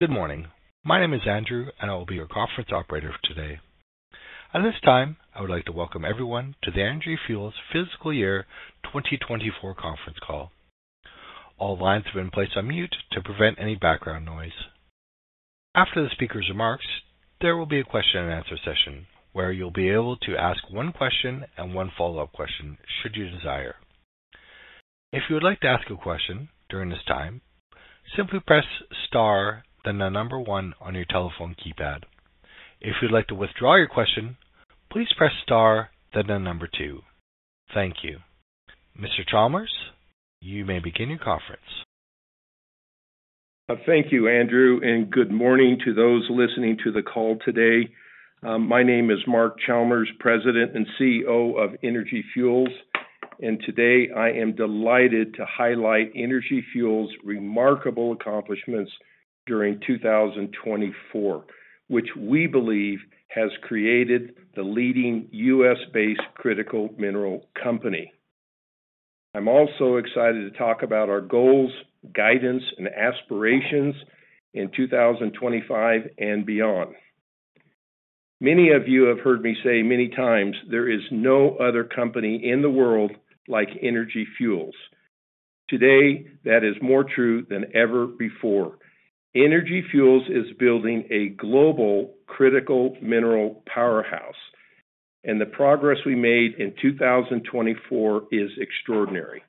Good morning. My name is Andrew, and I will be your conference operator for today. At this time, I would like to welcome everyone to the Energy Fuels Curtis Moore Fiscal Year 2024 conference call. All lines have been placed on mute to prevent any background noise. After the speaker's remarks, there will be a question-and-answer session where you'll be able to ask one question and one follow-up question should you desire. If you would like to ask a question during this time, simply press star then the number one on your telephone keypad. If you'd like to withdraw your question, please press star then the number two. Thank you. Mr. Chalmers, you may begin your conference. Thank you, Andrew, and good morning to those listening to the call today. My name is Mark Chalmers, President and CEO of Energy Fuels, and today I am delighted to highlight Energy Fuels' remarkable accomplishments during 2024, which we believe has created the leading U.S.-Based critical mineral company. I'm also excited to talk about our goals, guidance, and aspirations in 2025 and beyond. Many of you have heard me say many times, there is no other company in the world like Energy Fuels. Today, that is more true than ever before. Energy Fuels is building a global critical mineral powerhouse, and the progress we made in 2024 is extraordinary.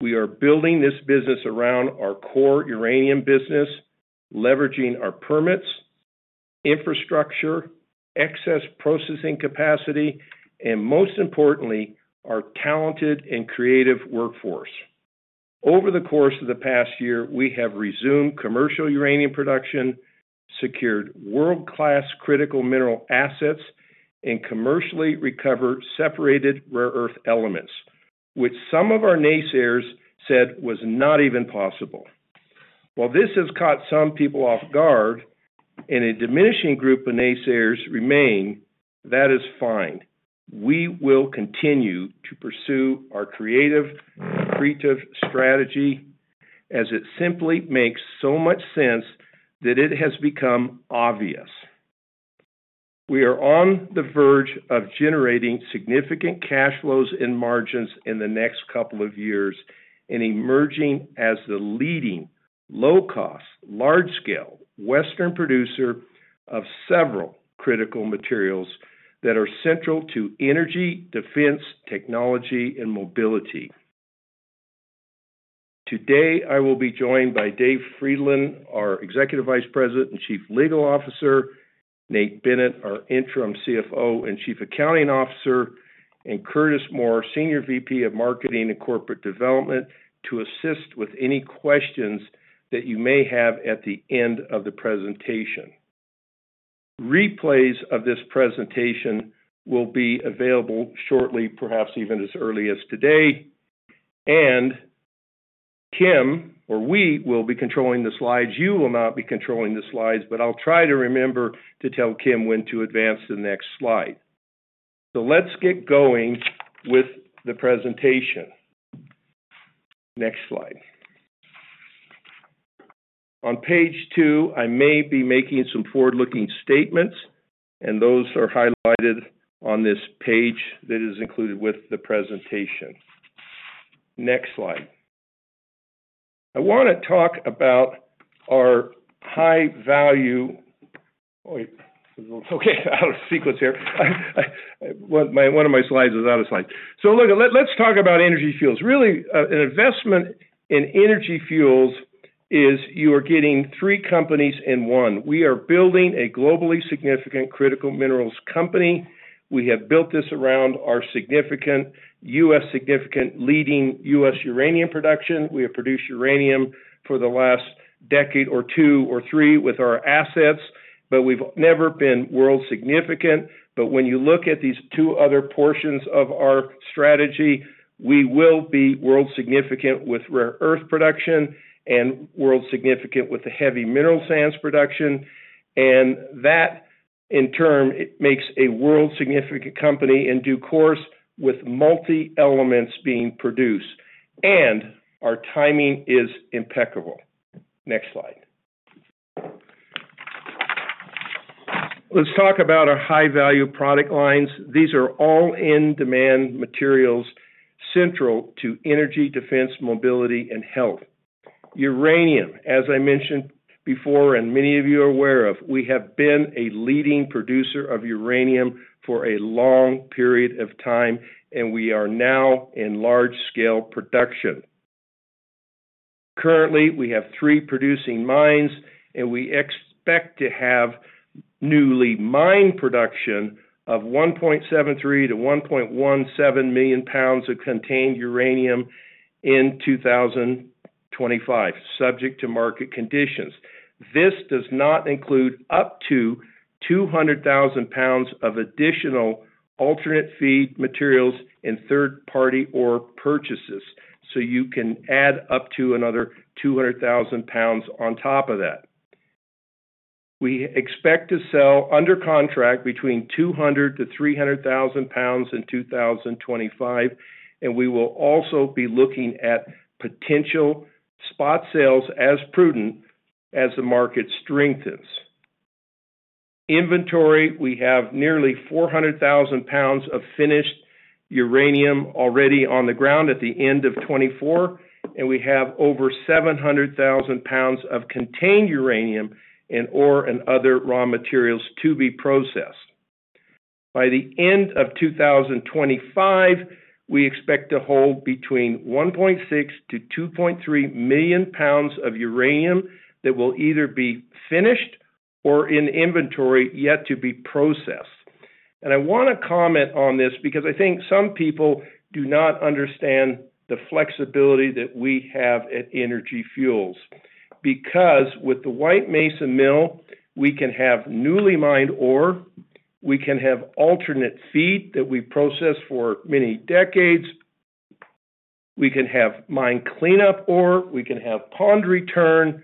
We are building this business around our core uranium business, leveraging our permits, infrastructure, excess processing capacity, and most importantly, our talented and creative workforce. Over the course of the past year, we have resumed commercial uranium production, secured world-class critical mineral assets, and commercially recovered separated rare earth elements, which some of our naysayers said was not even possible. While this has caught some people off guard and a diminishing group of naysayers remain, that is fine. We will continue to pursue our creative strategy as it simply makes so much sense that it has become obvious. We are on the verge of generating significant cash flows and margins in the next couple of years and emerging as the leading low-cost, large-scale Western producer of several critical materials that are central to energy, defense, technology, and mobility. Today, I will be joined by Dave Frydenlund, our Executive Vice President and Chief Legal Officer, Nate Bennett, our Interim CFO and Chief Accounting Officer, and Curtis Moore, Senior VP of Marketing and Corporate Development, to assist with any questions that you may have at the end of the presentation. Replays of this presentation will be available shortly, perhaps even as early as today, and Kim or we will be controlling the slides. You will not be controlling the slides, but I'll try to remember to tell Kim when to advance to the next slide. So let's get going with the presentation. Next slide. On page two, I may be making some forward-looking statements, and those are highlighted on this page that is included with the presentation. Next slide. I want to talk about our high-value, oh, it's okay. Out of sequence here. One of my slides was out of sight. So, look. Let's talk about Energy Fuels. Really, an investment in Energy Fuels is you are getting three companies in one. We are building a globally significant critical minerals company. We have built this around our significant leading U.S. uranium production. We have produced uranium for the last decade or two or three with our assets, but we've never been world significant. But when you look at these two other portions of our strategy, we will be world significant with rare earth production and world significant with the heavy mineral sands production. And that, in turn, makes a world significant company in due course with multi-elements being produced. And our timing is impeccable. Next slide. Let's talk about our high-value product lines. These are all in-demand materials central to energy, defense, mobility, and health. Uranium, as I mentioned before and many of you are aware of, we have been a leading producer of uranium for a long period of time, and we are now in large-scale production. Currently, we have three producing mines, and we expect to have newly mined production of 1.73-1.17 million pounds of contained uranium in 2025, subject to market conditions. This does not include up to 200,000 pounds of additional alternate feed materials in third-party or purchases. So you can add up to another 200,000 pounds on top of that. We expect to sell under contract between 200,000-300,000 pounds in 2025, and we will also be looking at potential spot sales as prudent as the market strengthens. Inventory, we have nearly 400,000 pounds of finished uranium alreaDy on the ground at the end of 2024, and we have over 700,000 pounds of contained uranium and/or other raw materials to be processed. By the end of 2025, we expect to hold between 1.6-2.3 million pounds of uranium that will either be finished or in inventory yet to be processed. I want to comment on this because I think some people do not understand the flexibility that we have at Energy Fuels. Because with the White Mesa Mill, we can have newly mined ore, we can have alternate feed that we process for many decades, we can have mine cleanup ore, we can have pond return,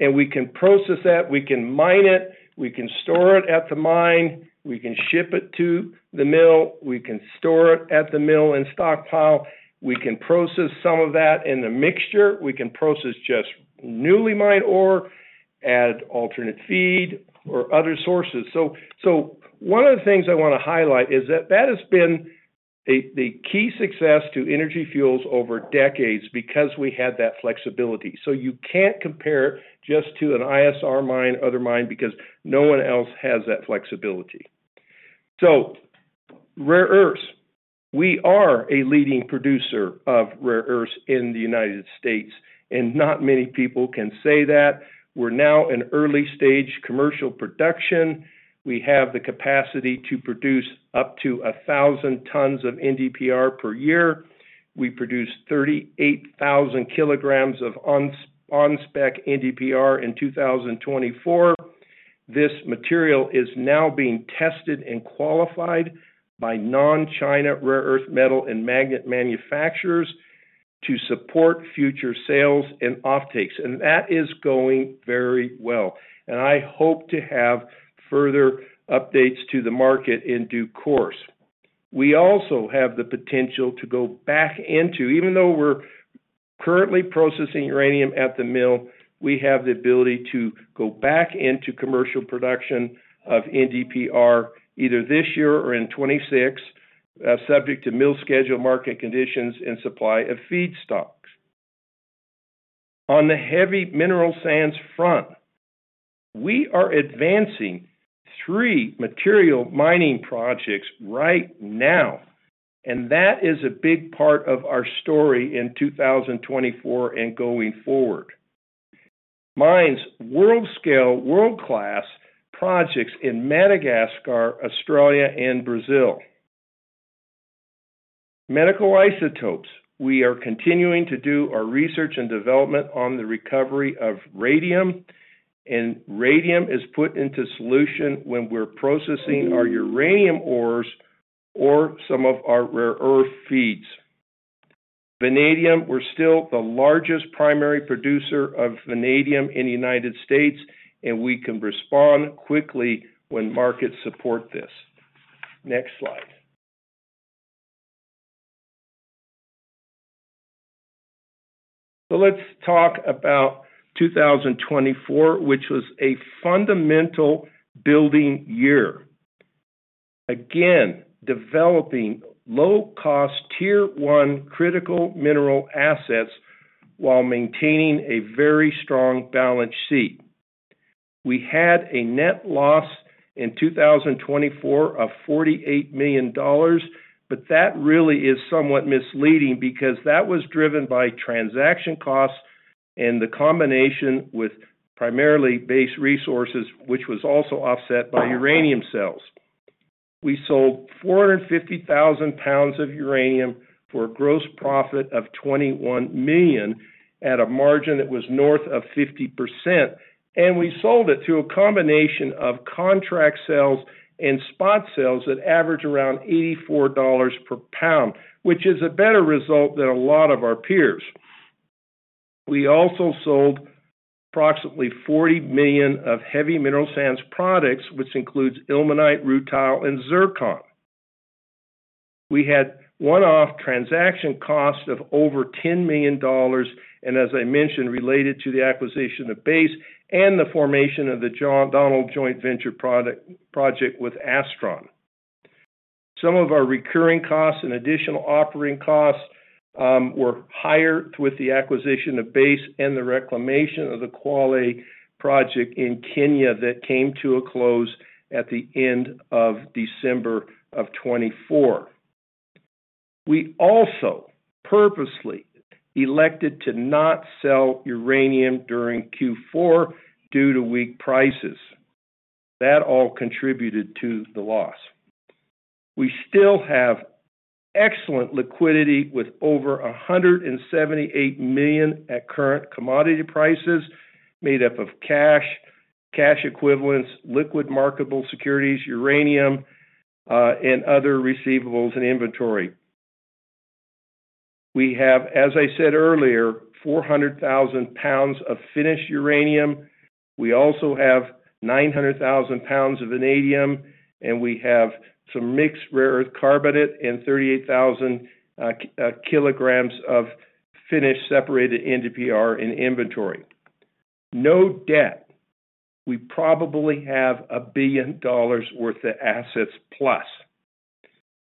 and we can process that. We can mine it, we can store it at the mine, we can ship it to the mill, we can store it at the mill and stockpile. We can process some of that in the mixture. We can process just newly mined ore, add alternate feed, or other sources. So one of the things I want to highlight is that that has been the key success to Energy Fuels over decades because we had that flexibility. So you can't compare just to an ISR mine, other mine, because no one else has that flexibility. So rare earths, we are a leading producer of rare earths in the United States, and not many people can say that. We're now in early-stage commercial production. We have the capacity to produce up to 1,000 tons of NdPr per year. We produced 38,000 kilograms of on-spec NdPr in 2024. This material is now being tested and qualified by non-China rare earth metal and magnet manufacturers to support future sales and offtakes. And that is going very well. And I hope to have further updates to the market in due course. We also have the potential to go back into, even though we're currently processing uranium at the mill, we have the ability to go back into commercial production of NdPr either this year or in 2026, subject to mill schedule, market conditions, and supply of feed stocks. On the heavy mineral sands front, we are advancing three material mining projects right now, and that is a big part of our story in 2024 and going forward. Mines, world-scale, world-class projects in Madagascar, Australia, and Brazil. Medical isotopes, we are continuing to do our research and development on the recovery of radium, and radium is put into solution when we're processing our uranium ores or some of our rare earth feeds. Vanadium, we're still the largest primary producer of vanadium in the United States, and we can respond quickly when markets support this. Next slide. So let's talk about 2024, which was a fundamental building year. Again, developing low-cost tier-one critical mineral assets while maintaining a very strong balance sheet. We had a net loss in 2024 of $48 million, but that really is somewhat misleading because that was driven by transaction costs and the combination with primarily Base Resources, which was also offset by uranium sales. We sold 450,000 pounds of uranium for a gross profit of $21 million at a margin that was north of 50%. And we sold it through a combination of contract sales and spot sales that averaged around $84 per pound, which is a better result than a lot of our peers. We also sold approximately 40 million of heavy mineral sands products, which includes ilmenite, rutile, and zircon. We had one-off transaction costs of over $10 million, and as I mentioned, related to the acquisition of Base and the formation of the Donald Joint Venture project with Astron. Some of our recurring costs and additional operating costs were higher with the acquisition of Base and the reclamation of the Kwale project in Kenya that came to a close at the end of December of 2024. We also purposely elected to not sell uranium during Q4 due to weak prices. That all contributed to the loss. We still have excellent liquidity with over $178 million at current commodity prices made up of cash, cash equivalents, liquid marketable securities, uranium, and other receivables and inventory. We have, as I said earlier, 400,000 pounds of finished uranium. We also have 900,000 pounds of vanadium, and we have some mixed rare earth carbonate and 38,000 kilograms of finished separated NdPr in inventory. No debt. We probably have $1 billion worth of assets plus.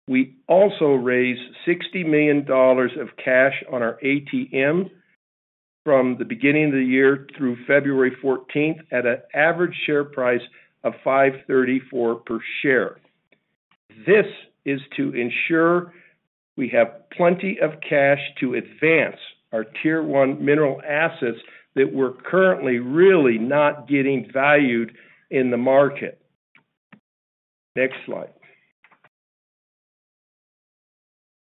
We also raised $60 million of cash on our ATM from the beginning of the year through February 14th at an average share price of $5.34 per share. This is to ensure we have plenty of cash to advance our tier-one mineral assets that we're currently really not getting valued in the market. Next slide.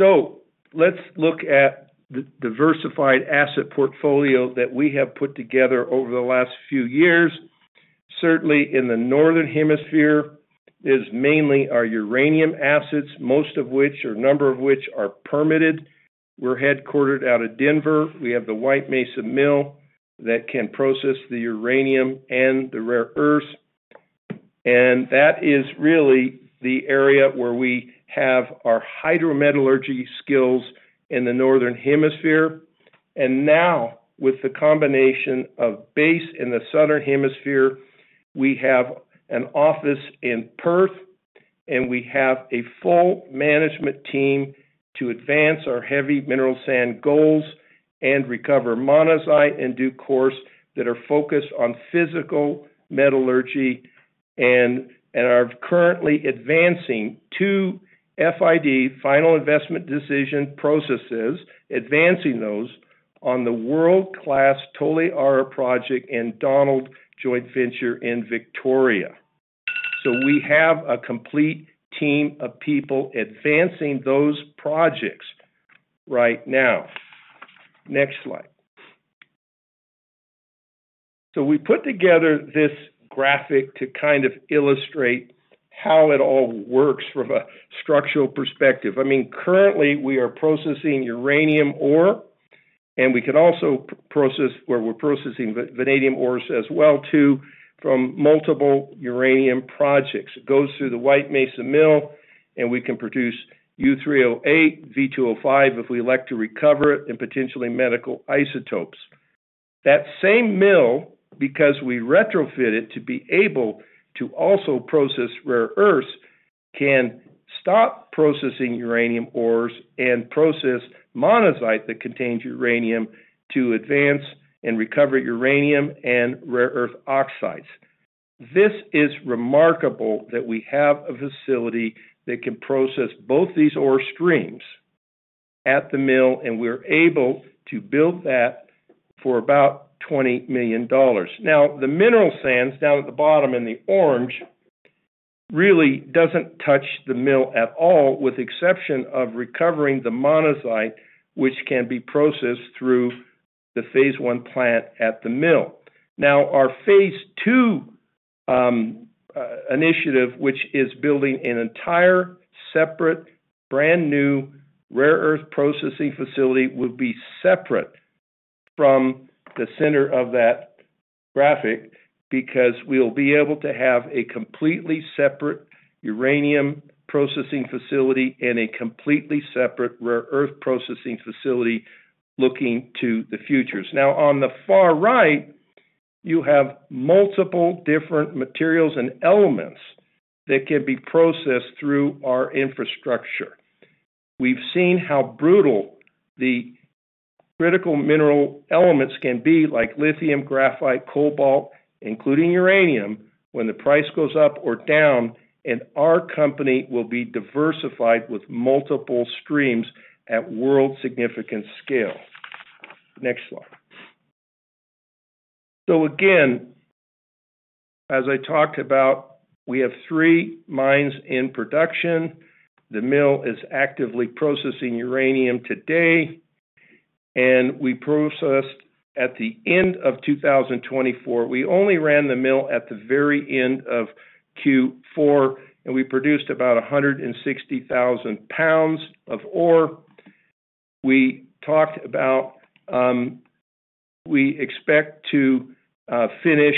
So let's look at the diversified asset portfolio that we have put together over the last few years. Certainly, in the Northern Hemisphere, is mainly our uranium assets, most of which, or a number of which, are permitted. We're headquartered out of Denver. We have the White Mesa Mill that can process the uranium and the rare earths, and that is really the area where we have our hydrometallurgy skills in the Northern Hemisphere, and now, with the combination of Base in the Southern Hemisphere, we have an office in Perth, and we have a full management team to advance our heavy mineral sands goals and recover monazite in due course that are focused on physical metallurgy and are currently advancing two FID, final investment decision processes, advancing those on the world-class Toliara project and Donald Joint Venture in Victoria, so we have a complete team of people advancing those projects right now. Next slide. So we put together this graphic to kind of illustrate how it all works from a structural perspective. I mean, currently, we are processing uranium ore, and we can also process, or we're processing vanadium ores as well too, from multiple uranium projects. It goes through the White Mesa Mill, and we can produce U3O8, V2O5 if we elect to recover it, and potentially medical isotopes. That same mill, because we retrofitted to be able to also process rare earths, can stop processing uranium ores and process monazite that contains uranium to advance and recover uranium and rare earth oxides. This is remarkable that we have a facility that can process both these ore streams at the mill, and we're able to build that for about $20 million. Now, the mineral sands down at the bottom in the orange really doesn't touch the mill at all, with the exception of recovering the monazite, which can be processed through the phase one plant at the mill. Now, our phase two initiative, which is building an entire separate brand new rare earth processing facility, will be separate from the center of that graphic because we'll be able to have a completely separate uranium processing facility and a completely separate rare earth processing facility looking to the futures. Now, on the far right, you have multiple different materials and elements that can be processed through our infrastructure. We've seen how brutal the critical mineral elements can be, like lithium, graphite, cobalt, including uranium, when the price goes up or down, and our company will be diversified with multiple streams at world-significant scale. Next slide. So again, as I talked about, we have three mines in production. The mill is actively processing uranium today, and we processed at the end of 2024. We only ran the mill at the very end of Q4, and we produced about 160,000 pounds of ore. We talked about, we expect to finish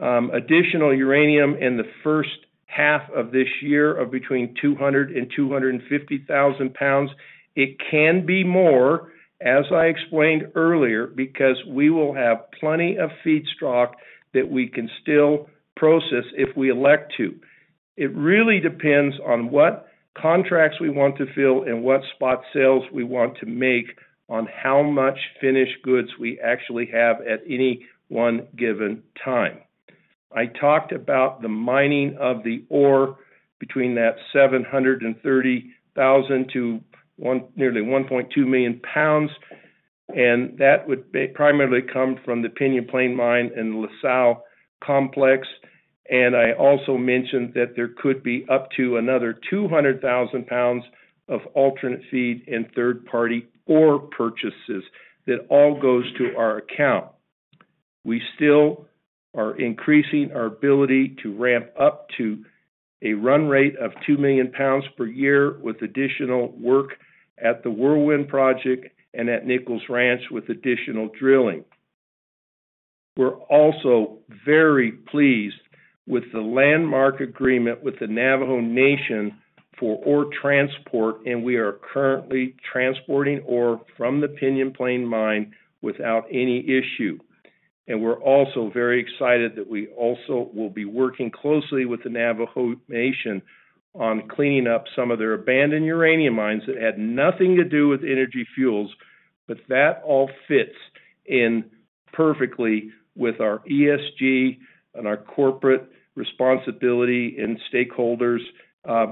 additional uranium in the first half of this year of between 200,000 and 250,000 pounds. It can be more, as I explained earlier, because we will have plenty of feedstock that we can still process if we elect to. It really depends on what contracts we want to fill and what spot sales we want to make on how much finished goods we actually have at any one given time. I talked about the mining of the ore between that 730,000 to nearly 1.2 million pounds, and that would primarily come from the Pinyon Plain Mine and the La Sal Complex. I also mentioned that there could be up to another 200,000 pounds of alternate feed and third-party ore purchases that all goes to our account. We still are increasing our ability to ramp up to a run rate of 2 million pounds per year with additional work at the Whirlwind Mine and at Nichols Ranch with additional drilling. We're also very pleased with the landmark agreement with the Navajo Nation for ore transport, and we are currently transporting ore from the Pinyon Plain Mine without any issue. And we're also very excited that we also will be working closely with the Navajo Nation on cleaning up some of their abandoned uranium mines that had nothing to do with Energy Fuels, but that all fits in perfectly with our ESG and our corporate responsibility and stakeholders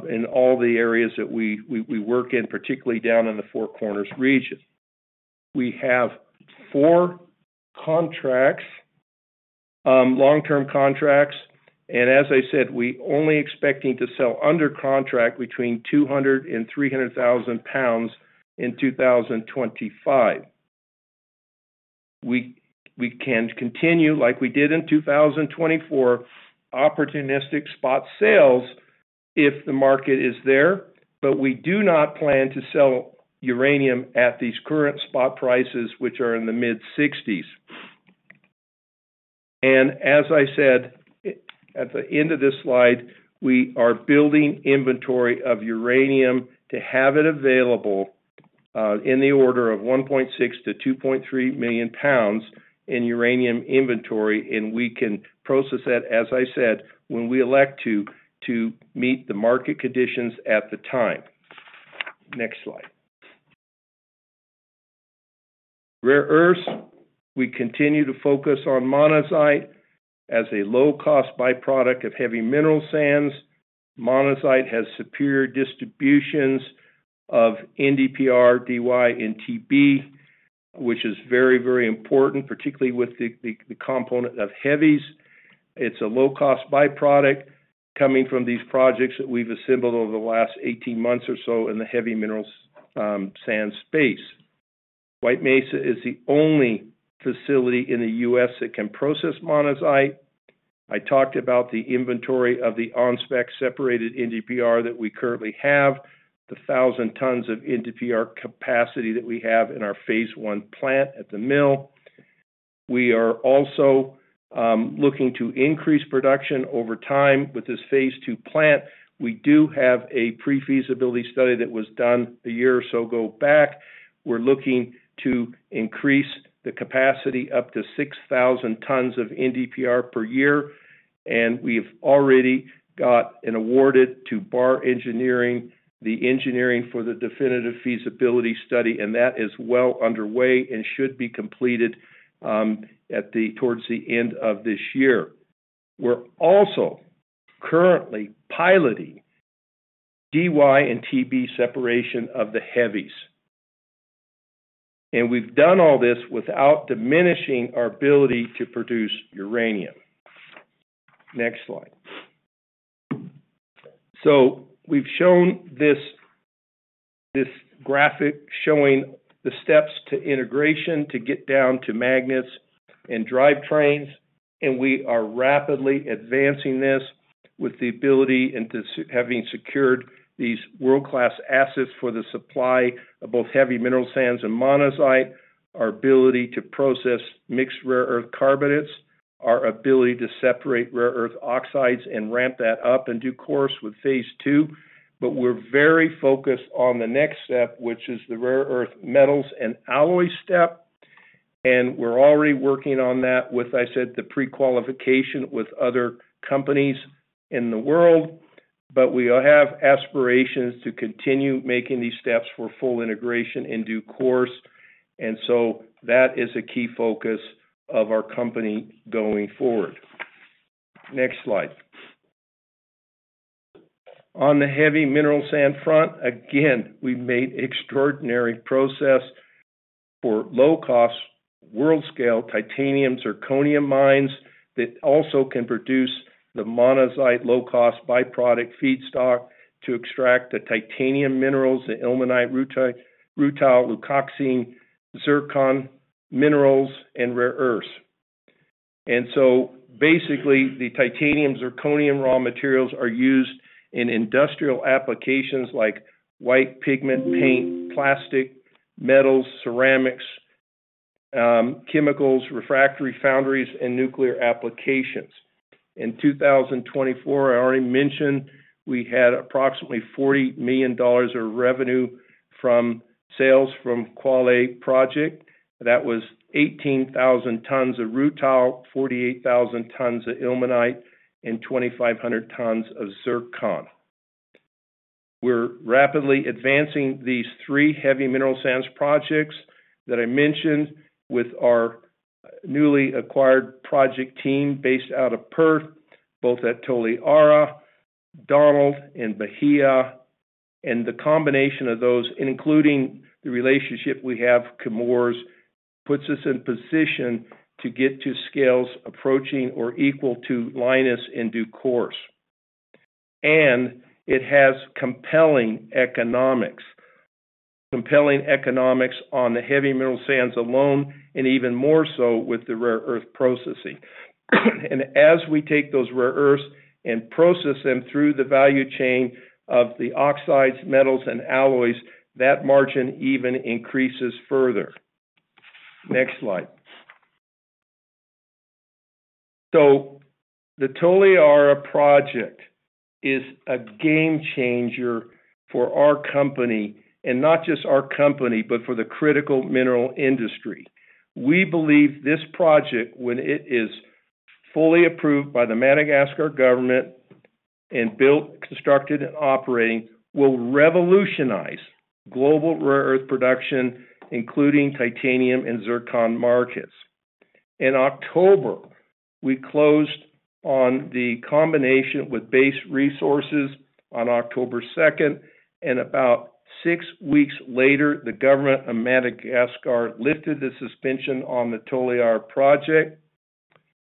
in all the areas that we work in, particularly down in the Four Corners region. We have four contracts, long-term contracts, and as I said, we're only expecting to sell under contract between 200,000 and 300,000 pounds in 2025. We can continue, like we did in 2024, opportunistic spot sales if the market is there, but we do not plan to sell uranium at these current spot prices, which are in the mid-60s. As I said at the end of this slide, we are building inventory of uranium to have it available in the order of 1.6-2.3 million pounds in uranium inventory, and we can process that, as I said, when we elect to, to meet the market conditions at the time. Next slide. Rare earths, we continue to focus on monazite as a low-cost byproduct of heavy mineral sands. Monazite has superior distributions of NdPr, Dy, and Tb, which is very, very important, particularly with the component of heavies. It's a low-cost byproduct coming from these projects that we've assembled over the last 18 months or so in the heavy mineral sands space. White Mesa is the only facility in the U.S. that can process monazite. I talked about the inventory of the on-spec separated NdPr that we currently have, the 1,000 tons of NdPr capacity that we have in our phase one plant at the mill. We are also looking to increase production over time with this phase two plant. We do have a pre-feasibility study that was done a year or so ago back. We're looking to increase the capacity up to 6,000 tons of NdPr per year, and we've alreaDy got and awarded to Barr Engineering the engineering for the definitive feasibility study, and that is well underway and should be completed towards the end of this year. We're also currently piloting Dy and Tb separation of the heavies, and we've done all this without diminishing our ability to produce uranium. Next slide. We've shown this graphic showing the steps to integration to get down to magnets and drive trains, and we are rapidly advancing this with the ability and having secured these world-class assets for the supply of both heavy mineral sands and monazite. Our ability to process mixed rare earth carbonates, our ability to separate rare earth oxides and ramp that up in due course with phase two, but we're very focused on the next step, which is the rare earth metals and alloy step, and we're alreaDy working on that with, I said, the pre-qualification with other companies in the world. But we have aspirations to continue making these steps for full integration in due course, and so that is a key focus of our company going forward. Next slide. On the heavy mineral sands front, again, we've made extraordinary progress for low-cost world-scale titanium zirconium mines that also can produce the monazite low-cost byproduct feedstock to extract the titanium minerals, the ilmenite, rutile, leucoxene, zircon minerals, and rare earths, and so basically, the titanium zirconium raw materials are used in industrial applications like white pigment paint, plastic, metals, ceramics, chemicals, refractory foundries, and nuclear applications. In 2024, I alreaDy mentioned we had approximately $40 million of revenue from sales from Kwale Project. That was 18,000 tons of rutile, 48,000 tons of ilmenite, and 2,500 tons of zircon. We're rapidly advancing these three heavy mineral sands projects that I mentioned with our newly acquired project team Based out of Perth, both at Toliara, Donald, and Bahia, and the combination of those, including the relationship we have with Chemours, puts us in position to get to scales approaching or equal to Lynas in due course. And it has compelling economics, compelling economics on the heavy mineral sands alone, and even more so with the rare earth processing. And as we take those rare earths and process them through the value chain of the oxides, metals, and alloys, that margin even increases further. Next slide. So the Toliara project is a game changer for our company, and not just our company, but for the critical mineral industry. We believe this project, when it is fully approved by the Madagascar government and built, constructed, and operating, will revolutionize global rare earth production, including titanium and zircon markets. In October, we closed on the combination with Base Resources on October 2nd, and about six weeks later, the government of Madagascar lifted the suspension on the Toliara project.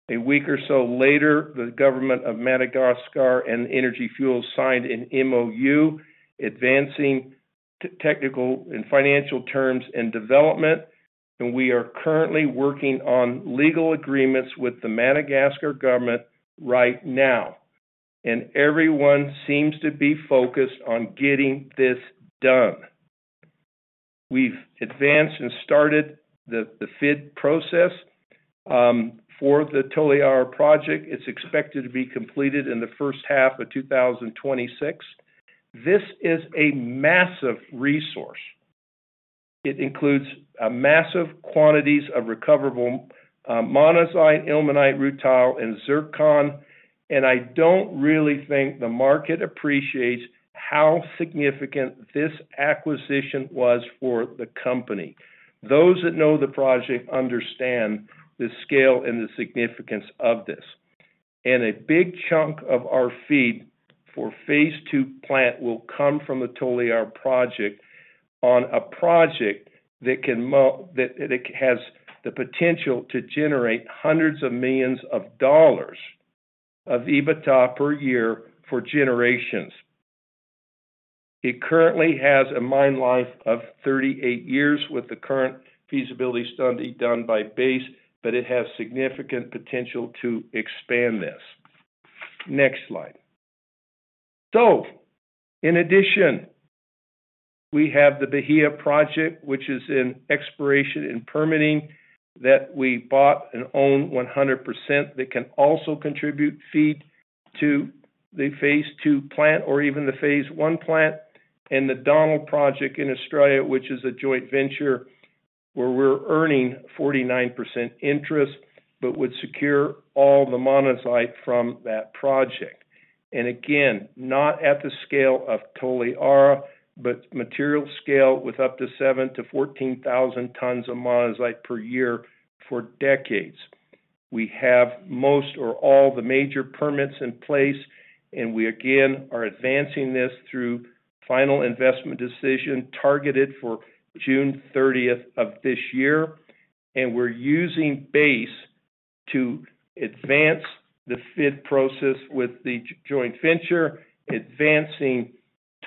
A week or so later, the government of Madagascar and Energy Fuels signed an MOU advancing technical and financial terms and development, and we are currently working on legal agreements with the Madagascar government right now, and everyone seems to be focused on getting this done. We've advanced and started the FID process for the Toliara project. It's expected to be completed in the first half of 2026. This is a massive resource. It includes massive quantities of recoverable monazite, ilmenite, rutile, and zircon, and I don't really think the market appreciates how significant this acquisition was for the company. Those that know the project understand the scale and the significance of this. And a big chunk of our feed for phase two plant will come from the Toliara project on a project that has the potential to generate hundreds of millions of dollars of EBITDA per year for generations. It currently has a mine life of 38 years with the current feasibility study done by Base, but it has significant potential to expand this. Next slide. So in addition, we have the Bahia Project, which is in exploration and permitting that we bought and own 100% that can also contribute feed to the phase two plant or even the phase one plant, and the Donald project in Australia, which is a joint venture where we're earning 49% interest, but would secure all the monazite from that project. And again, not at the scale of Toliara, but material scale with up to 7-14,000 tons of monazite per year for decades. We have most or all the major permits in place, and we again are advancing this through final investment decision targeted for June 30th of this year, and we're using Base to advance the FID process with the joint venture, advancing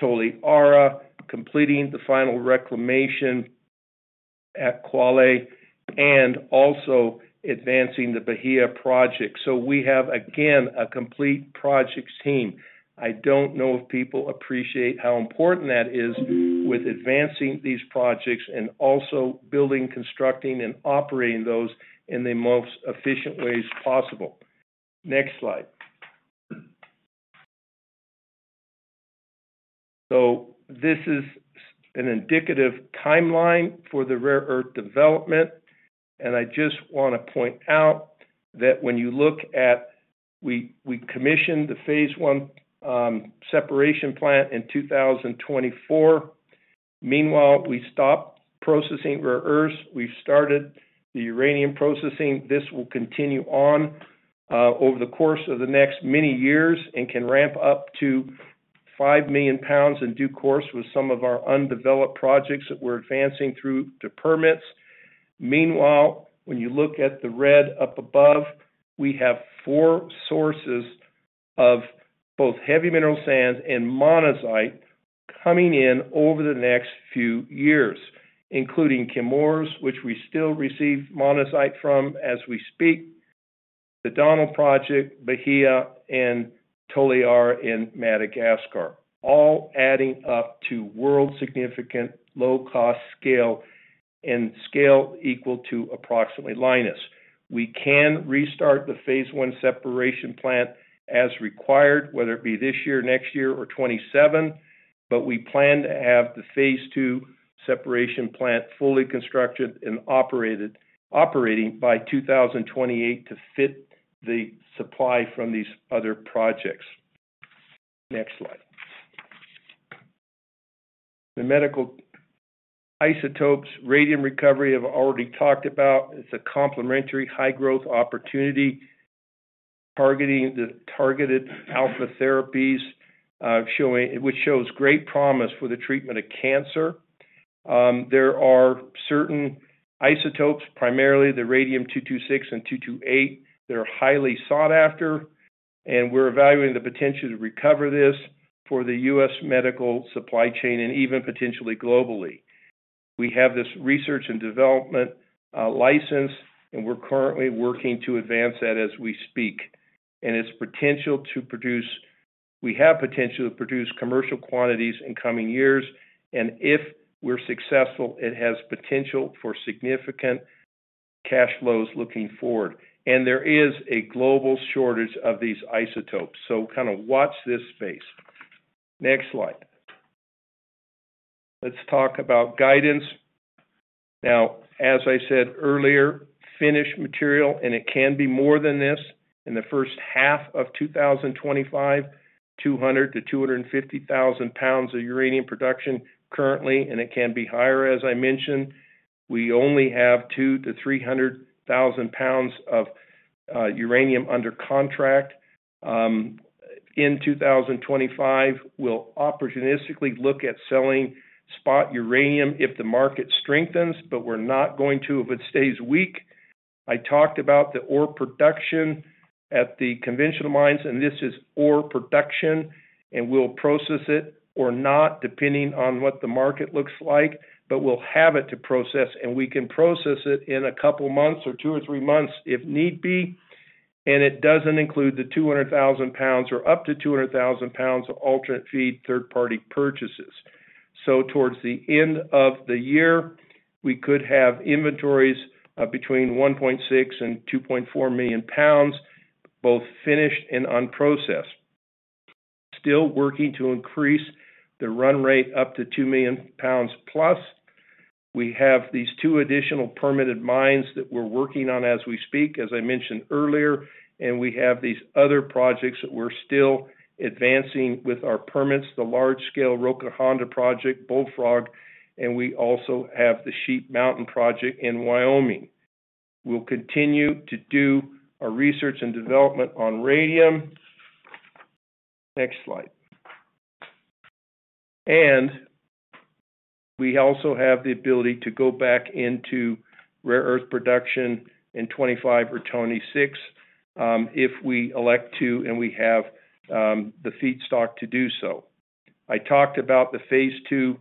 Toliara, completing the final reclamation at Kwale, and also advancing the Bahia Project. So we have, again, a complete project team. I don't know if people appreciate how important that is with advancing these projects and also building, constructing, and operating those in the most efficient ways possible. Next slide. So this is an indicative timeline for the rare earth development, and I just want to point out that when you look at, we commissioned the phase one separation plant in 2024. Meanwhile, we stopped processing rare earths. We've started the uranium processing. This will continue on over the course of the next many years and can ramp up to 5 million pounds in due course with some of our undeveloped projects that we're advancing through the permits. Meanwhile, when you look at the red up above, we have four sources of both heavy mineral sands and monazite coming in over the next few years, including Chemours, which we still receive monazite from as we speak, the Donald project, Bahia, and Toliara in Madagascar, all adding up to world-significant low-cost scale and scale equal to approximately Lynas. We can restart the phase one separation plant as required, whether it be this year, next year, or 2027, but we plan to have the phase two separation plant fully constructed and operating by 2028 to fit the supply from these other projects. Next slide. The medical isotopes, radium recovery I've alreaDy talked about. It's a complementary high-growth opportunity targeting the targeted alpha therapies, which shows great promise for the treatment of cancer. There are certain isotopes, primarily the Radium-226 and Radium-228, that are highly sought after, and we're evaluating the potential to recover this for the U.S. medical supply chain and even potentially globally. We have this research and development license, and we're currently working to advance that as we speak, and its potential to produce commercial quantities in coming years, and if we're successful, it has potential for significant cash flows looking forward. There is a global shortage of these isotopes, so kind of watch this space. Next slide. Let's talk about guidance. Now, as I said earlier, finished material, and it can be more than this in the first half of 2025, 200-250,000 pounds of uranium production currently, and it can be higher, as I mentioned. We only have 200-300,000 pounds of uranium under contract. In 2025, we'll opportunistically look at selling spot uranium if the market strengthens, but we're not going to if it stays weak. I talked about the ore production at the conventional mines, and this is ore production, and we'll process it or not depending on what the market looks like, but we'll have it to process, and we can process it in a couple months or two or three months if need be, and it doesn't include the 200,000 pounds or up to 200,000 pounds of alternate feed third-party purchases. So towards the end of the year, we could have inventories between 1.6 and 2.4 million pounds, both finished and unprocessed. Still working to increase the run rate up to 2 million pounds plus. We have these two additional permitted mines that we're working on as we speak, as I mentioned earlier, and we have these other projects that we're still advancing with our permits, the large-scale Roca Honda project, Bullfrog, and we also have the Sheep Mountain project in Wyoming. We'll continue to do our research and development on radium. Next slide. We also have the ability to go back into rare earth production in 2025 or 2026 if we elect to, and we have the feedstock to do so. I talked about the phase two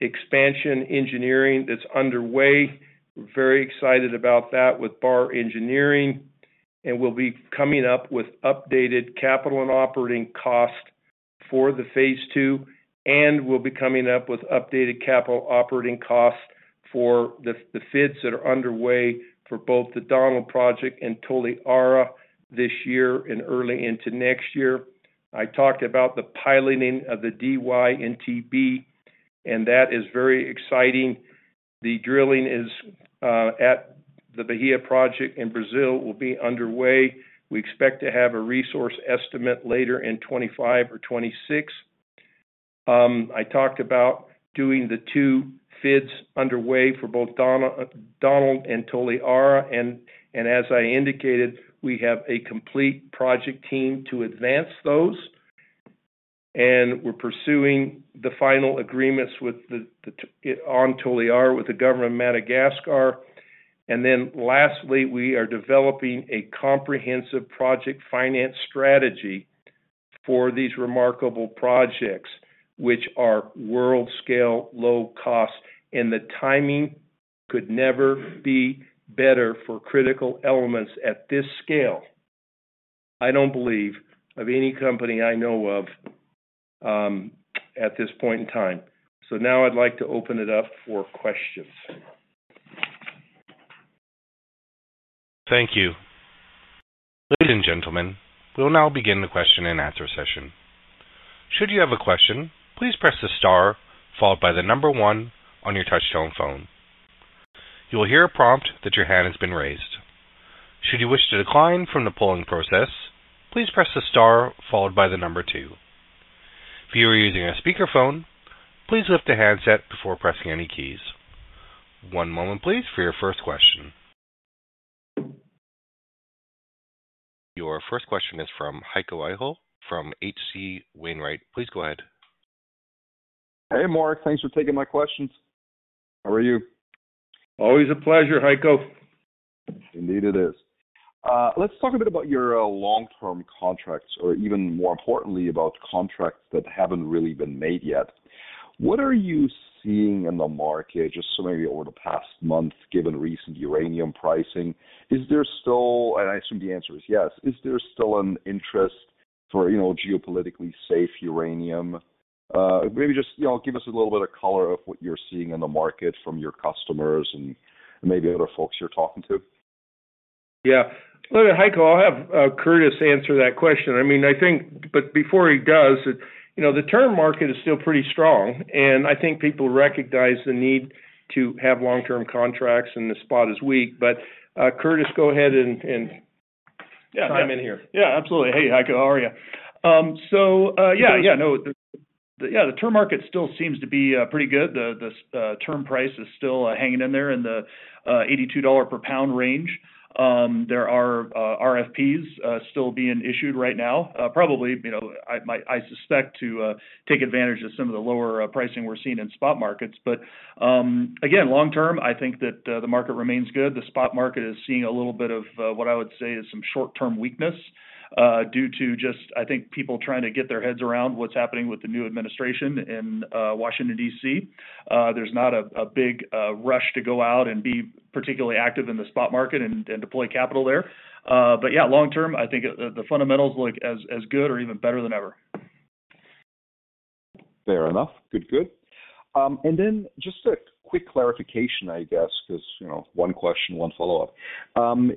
expansion engineering that's underway. We're very excited about that with Barr Engineering, and we'll be coming up with updated capital and operating costs for the phase two, and we'll be coming up with updated capital operating costs for the FIDs that are underway for both the Donald project and Toliara this year and early into next year. I talked about the piloting of the Dy and Tb, and that is very exciting. The drilling at the Bahia Project in Brazil will be underway. We expect to have a resource estimate later in 2025 or 2026. I talked about doing the two FIDs underway for both Donald and Toliara, and as I indicated, we have a complete project team to advance those, and we're pursuing the final agreements on Toliara with the government of Madagascar. And then lastly, we are developing a comprehensive project finance strategy for these remarkable projects, which are world-scale low cost, and the timing could never be better for critical elements at this scale. I don't believe of any company I know of at this point in time. So now I'd like to open it up for questions. Thank you. Ladies and gentlemen, we'll now begin the question and answer session. Should you have a question, please press the star followed by the number one on your touch-tone phone. You will hear a prompt that your hand has been raised. Should you wish to decline from the polling process, please press the star followed by the number two. If you are using a speakerphone, please lift the handset before pressing any keys. One moment, please, for your first question. Your first question is from Heiko Ihle from H.C. Wainwright. Please go ahead. Hey, Mark. Thanks for taking my questions. How are you? Always a pleasure, Heiko. Indeed it is. Let's talk a bit about your long-term contracts, or even more importantly, about contracts that haven't really been made yet. What are you seeing in the market, just so maybe over the past month, given recent uranium pricing? Is there still, and I assume the answer is yes, is there still an interest for geopolitically safe uranium? Maybe just give us a little bit of color of what you're seeing in the market from your customers and maybe other folks you're talking to. Yeah. Look, Heiko, I'll have Curtis answer that question. I mean, I think, but before he does, the term market is still pretty strong, and I think people recognize the need to have long-term contracts and the spot is weak, but Curtis, go ahead and chime in here. Yeah, absolutely. Hey, Heiko, how are you? So yeah, yeah, no. Yeah, the term market still seems to be pretty good. The term price is still hanging in there in the $82 per pound range. There are RFPs still being issued right now, probably, I suspect, to take advantage of some of the lower pricing we're seeing in spot markets. But again, long-term, I think that the market remains good. The spot market is seeing a little bit of what I would say is some short-term weakness due to just, I think, people trying to get their heads around what's happening with the new administration in Washington, D.C. There's not a big rush to go out and be particularly active in the spot market and deploy capital there. But yeah, long-term, I think the fundamentals look as good or even better than ever. Fair enough. Good, good. And then just a quick clarification, I guess, because one question, one follow-up.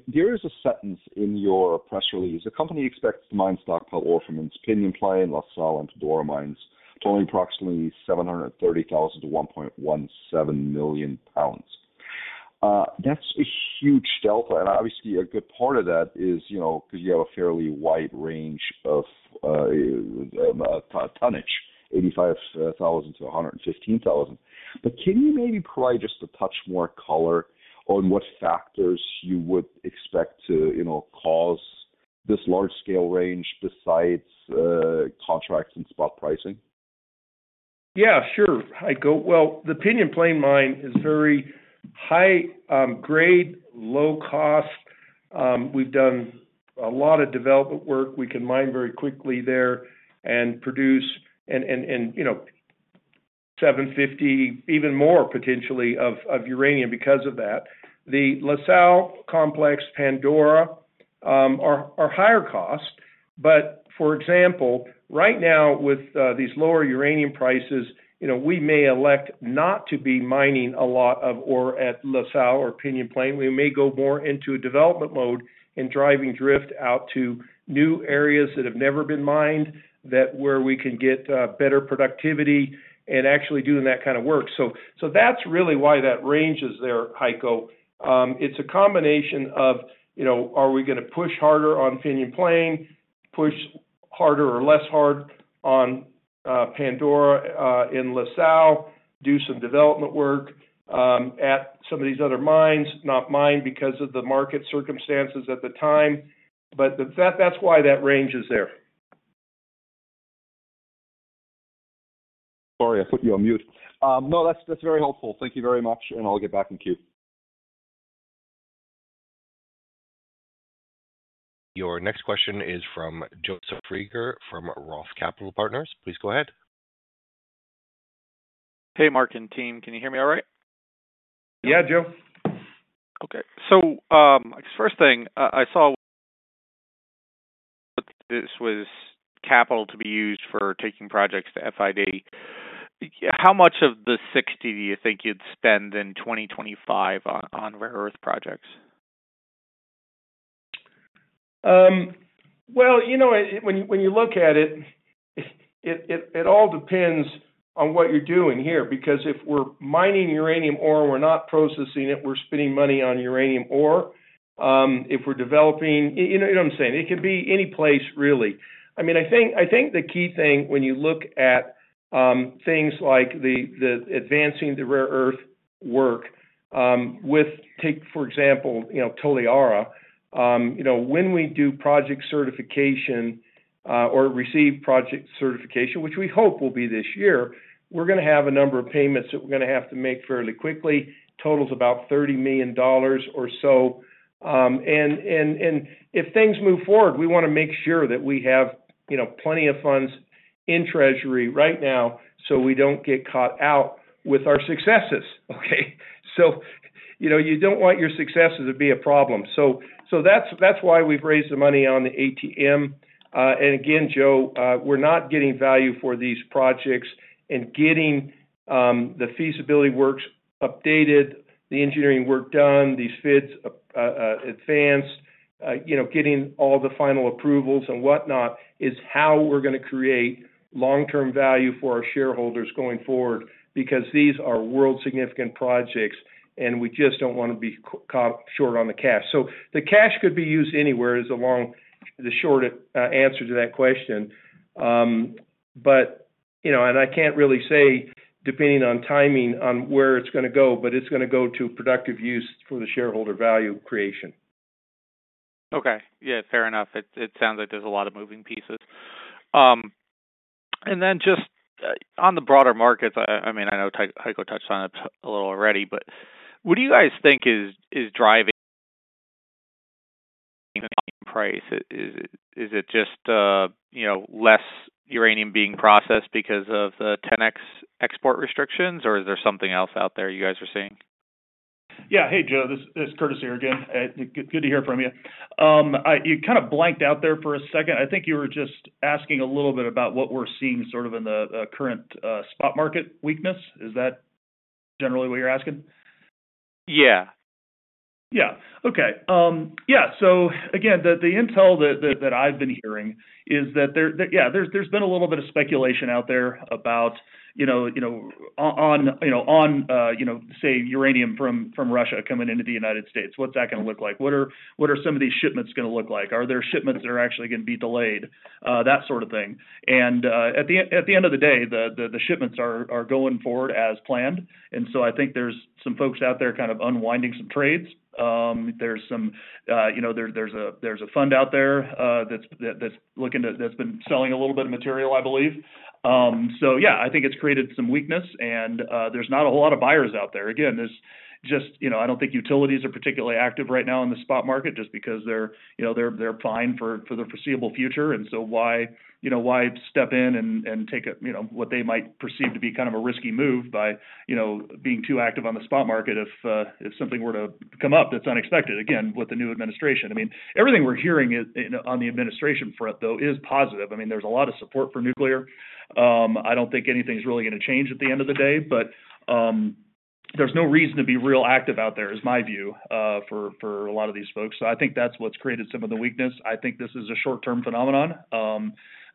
There is a sentence in your press release, "The company expects to mine stockpile ore from its Pinyon Plain, La Sal, and Whirlwind mines, totaling approximately 730,000-1.17 million pounds." That's a huge delta, and obviously, a good part of that is because you have a fairly wide range of tonnage, 85,000-115,000. But can you maybe provide just a touch more color on what factors you would expect to cause this large-scale range besides contracts and spot pricing? Yeah, sure. Heiko, well, the Pinyon Plain mine is very high-grade, low-cost. We've done a lot of development work. We can mine very quickly there and produce 750, even more potentially, of uranium because of that. The La Sal Complex, Pandora, are higher cost, but for example, right now, with these lower uranium prices, we may elect not to be mining a lot of ore at La Sal or Pinyon Plain. We may go more into a development mode and driving drift out to new areas that have never been mined where we can get better productivity and actually doing that kind of work. So that's really why that range is there, Heiko. It's a combination of, are we going to push harder on Pinyon Plain, push harder or less hard on Pandora in La Sal, do some development work at some of these other mines, not mine because of the market circumstances at the time, but that's why that range is there. Sorry, I put you on mute. No, that's very helpful. Thank you very much, and I'll get back in queue. Your next question is from Joseph Freiger from Roth Capital Partners. Please go ahead. Hey, Mark and team. Can you hear me all right? Yeah, I do. Okay. So first thing, I saw this was capital to be used for taking projects to FID. How much of the 60 do you think you'd spend in 2025 on rare earth projects? When you look at it, it all depends on what you're doing here because if we're mining uranium ore, we're not processing it, we're spending money on uranium ore. If we're developing, you know what I'm saying? It could be any place, really. I mean, I think the key thing when you look at things like the advancing the rare earth work, take, for example, Toliara, when we do project certification or receive project certification, which we hope will be this year, we're going to have a number of payments that we're going to have to make fairly quickly, totals about $30 million or so. And if things move forward, we want to make sure that we have plenty of funds in treasury right now so we don't get caught out with our successes, okay? So you don't want your successes to be a problem. So that's why we've raised the money on the ATM. And again, Joe, we're not getting value for these projects and getting the feasibility works updated, the engineering work done, these FIDs advanced, getting all the final approvals and whatnot is how we're going to create long-term value for our shareholders going forward because these are world-significant projects, and we just don't want to be caught short on the cash. So the cash could be used anywhere is the short answer to that question. But I can't really say, depending on timing, on where it's going to go, but it's going to go to productive use for the shareholder value creation. Okay. Yeah, fair enough. It sounds like there's a lot of moving pieces. And then just on the broader markets, I mean, I know Heiko touched on it a little alreaDy, but what do you guys think is driving the price? Is it just less uranium being processed because of the 10x export restrictions, or is there something else out there you guys are seeing? Yeah. Hey, Joe. This is Curtis here again. Good to hear from you. You kind of blanked out there for a second. I think you were just asking a little bit about what we're seeing sort of in the current spot market weakness. Is that generally what you're asking? Yeah. Yeah. Okay. Yeah. So again, the intel that I've been hearing is that, yeah, there's been a little bit of speculation out there about on, say, uranium from Russia coming into the United States, what's that going to look like? What are some of these shipments going to look like? Are there shipments that are actually going to be delayed? That sort of thing. And at the end of the day, the shipments are going forward as planned. And so I think there's some folks out there kind of unwinding some trades. There's a fund out there that's been selling a little bit of material, I believe. So yeah, I think it's created some weakness, and there's not a whole lot of buyers out there. Again, there's just I don't think utilities are particularly active right now in the spot market just because they're buying for the foreseeable future. And so why step in and take what they might perceive to be kind of a risky move by being too active on the spot market if something were to come up that's unexpected, again, with the new administration? I mean, everything we're hearing on the administration front, though, is positive. I mean, there's a lot of support for nuclear. I don't think anything's really going to change at the end of the day, but there's no reason to be real active out there, is my view for a lot of these folks. So I think that's what's created some of the weakness. I think this is a short-term phenomenon.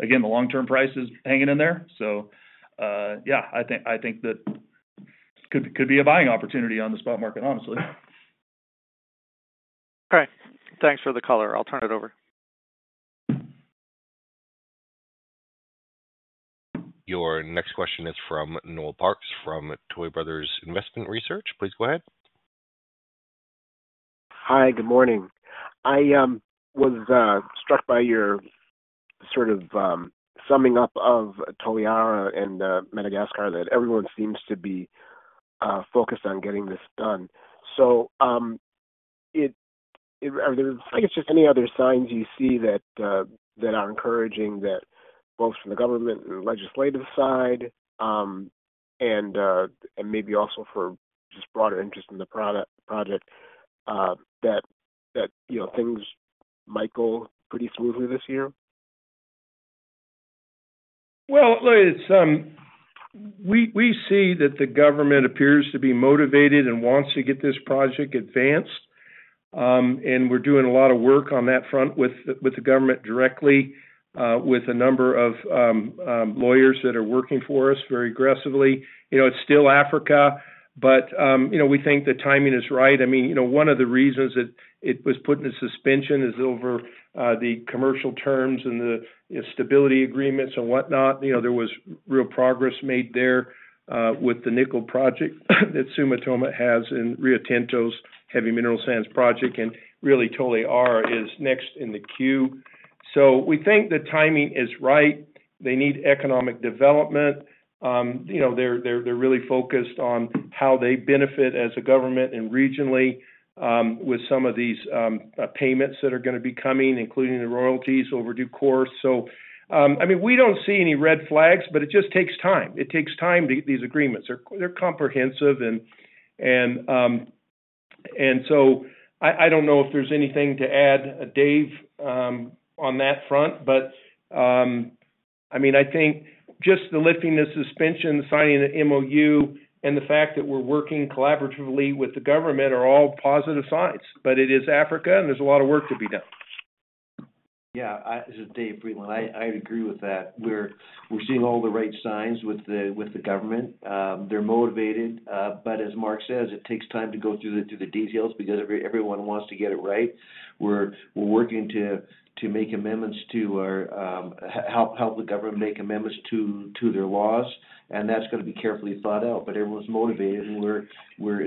Again, the long-term price is hanging in there. So yeah, I think that could be a buying opportunity on the spot market, honestly. Okay. Thanks for the color. I'll turn it over. Your next question is from Noel Parks from Tuohy Brothers Investment Research. Please go ahead. Hi, good morning. I was struck by your sort of summing up of Toliara and Madagascar that everyone seems to be focused on getting this done. So are there just any other signs you see that are encouraging that both from the government and legislative side and maybe also for just broader interest in the project that things might go pretty smoothly this year? Well, look, we see that the government appears to be motivated and wants to get this project advanced. And we're doing a lot of work on that front with the government directly, with a number of lawyers that are working for us very aggressively. It's still Africa, but we think the timing is right. I mean, one of the reasons that it was put into suspension is over the commercial terms and the stability agreements and whatnot. There was real progress made there with the nickel project that Sumitomo has and Rio Tinto's heavy mineral sands project. And really, Toliara is next in the queue. So we think the timing is right. They need economic development. They're really focused on how they benefit as a government and regionally with some of these payments that are going to be coming, including the royalties over the course. So I mean, we don't see any red flags, but it just takes time. It takes time to get these agreements. They're comprehensive. And so I don't know if there's anything to add, Dave, on that front, but I mean, I think just the lifting the suspension, signing the MOU, and the fact that we're working collaboratively with the government are all positive signs, but it is Africa, and there's a lot of work to be done. Yeah. This is Dave Frydenlund. I agree with that. We're seeing all the right signs with the government. They're motivated, but as Mark says, it takes time to go through the details because everyone wants to get it right. We're working to make amendments to help the government make amendments to their laws, and that's going to be carefully thought out, but everyone's motivated. And as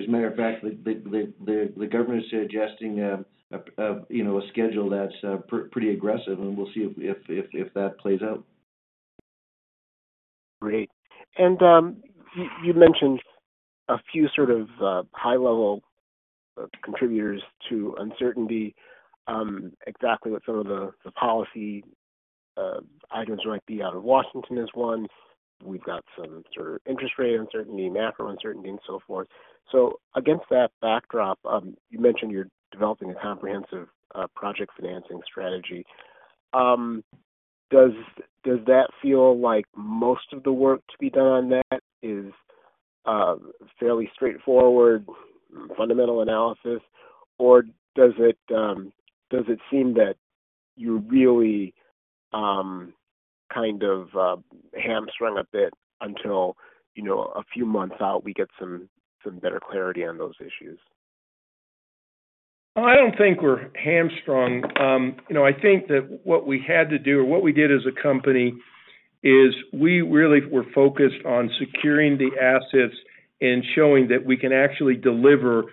a matter of fact, the government is suggesting a schedule that's pretty aggressive, and we'll see if that plays out. Great. And you mentioned a few sort of high-level contributors to uncertainty. Exactly what some of the policy items might be out of Washington is one. We've got some sort of interest rate uncertainty, macro uncertainty, and so forth. So against that backdrop, you mentioned you're developing a comprehensive project financing strategy. Does that feel like most of the work to be done on that is fairly straightforward, fundamental analysis, or does it seem that you're really kind of hamstrung a bit until a few months out we get some better clarity on those issues? Well, I don't think we're hamstrung. I think that what we had to do or what we did as a company is we really were focused on securing the assets and showing that we can actually deliver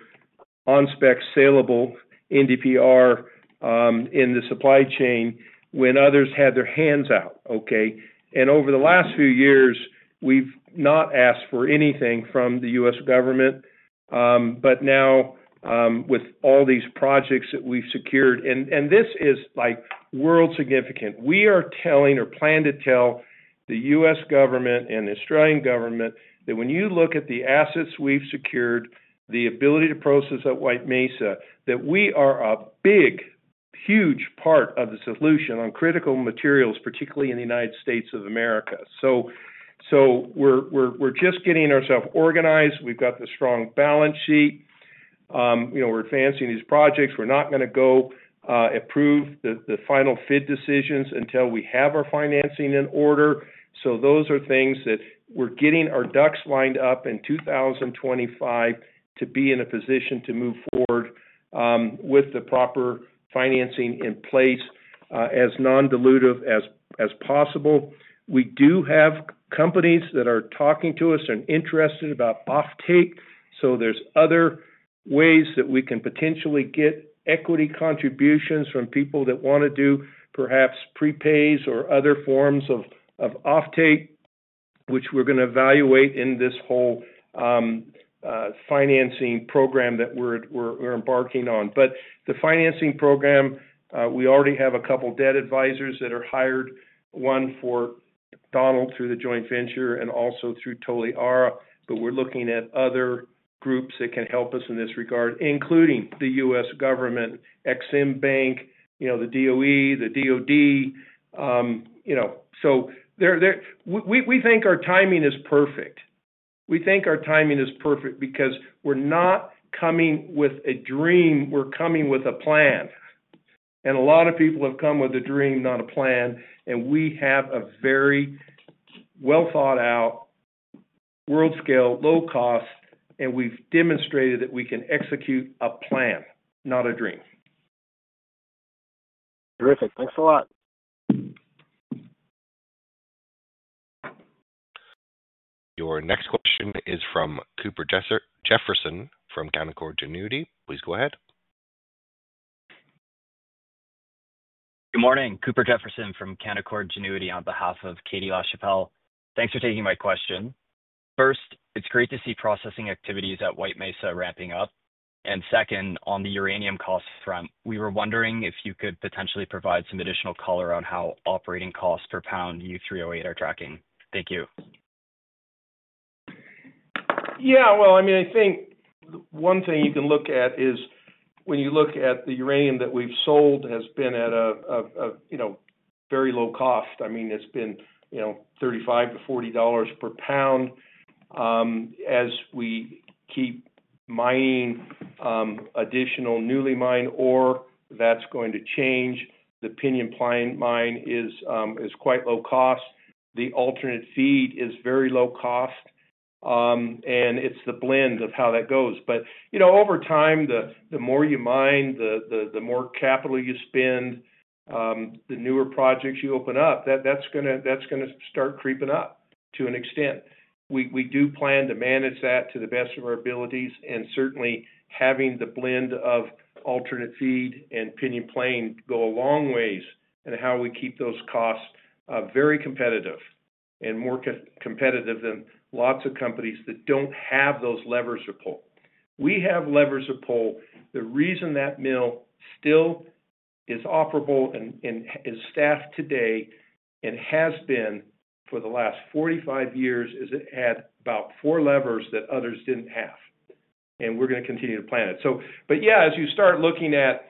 on-spec saleable NdPr in the supply chain when others had their hands out, okay? Over the last few years, we've not asked for anything from the U.S. government, but now with all these projects that we've secured, and this is world-significant, we are telling or plan to tell the U.S. government and the Australian government that when you look at the assets we've secured, the ability to process at White Mesa, that we are a big, huge part of the solution on critical materials, particularly in the United States of America. We're just getting ourselves organized. We've got the strong balance sheet. We're advancing these projects. We're not going to go approve the final FID decisions until we have our financing in order. Those are things that we're getting our ducks lined up in 2025 to be in a position to move forward with the proper financing in place as non-dilutive as possible. We do have companies that are talking to us and interested about off-take. So there's other ways that we can potentially get equity contributions from people that want to do perhaps prepays or other forms of off-take, which we're going to evaluate in this whole financing program that we're embarking on. But the financing program, we alreaDy have a couple of debt advisors that are hired, one for Donald through the joint venture and also through Toliara, but we're looking at other groups that can help us in this regard, including the U.S. government, Exim Bank, the DOE, the DOD. So we think our timing is perfect. We think our timing is perfect because we're not coming with a dream. We're coming with a plan, and a lot of people have come with a dream, not a plan. We have a very well-thought-out, world-scale, low-cost, and we've demonstrated that we can execute a plan, not a dream. Terrific. Thanks a lot. Your next question is from Cooper Jefferson from Canaccord Genuity. Please go ahead. Good morning. Cooper Jefferson from Canaccord Genuity on behalf of Katie Lachapelle. Thanks for taking my question. First, it's great to see processing activities at White Mesa ramping up. Second, on the uranium cost front, we were wondering if you could potentially provide some additional color on how operating costs per pound U3O8 are tracking. Thank you. Yeah. I mean, I think one thing you can look at is when you look at the uranium that we've sold has been at a very low cost. I mean, it's been $35-$40 per pound. As we keep mining additional newly mined ore that's going to change, the Pinyon Plain Mine is quite low cost. The alternate feed is very low cost, and it's the blend of how that goes. But over time, the more you mine, the more capital you spend, the newer projects you open up, that's going to start creeping up to an extent. We do plan to manage that to the best of our abilities, and certainly having the blend of alternate feed and Pinyon Plain Mine go a long way in how we keep those costs very competitive and more competitive than lots of companies that don't have those levers to pull. We have levers to pull. The reason that mill still is operable and is staffed today and has been for the last 45 years is it had about four levers that others didn't have. We're going to continue to plan it. But yeah, as you start looking at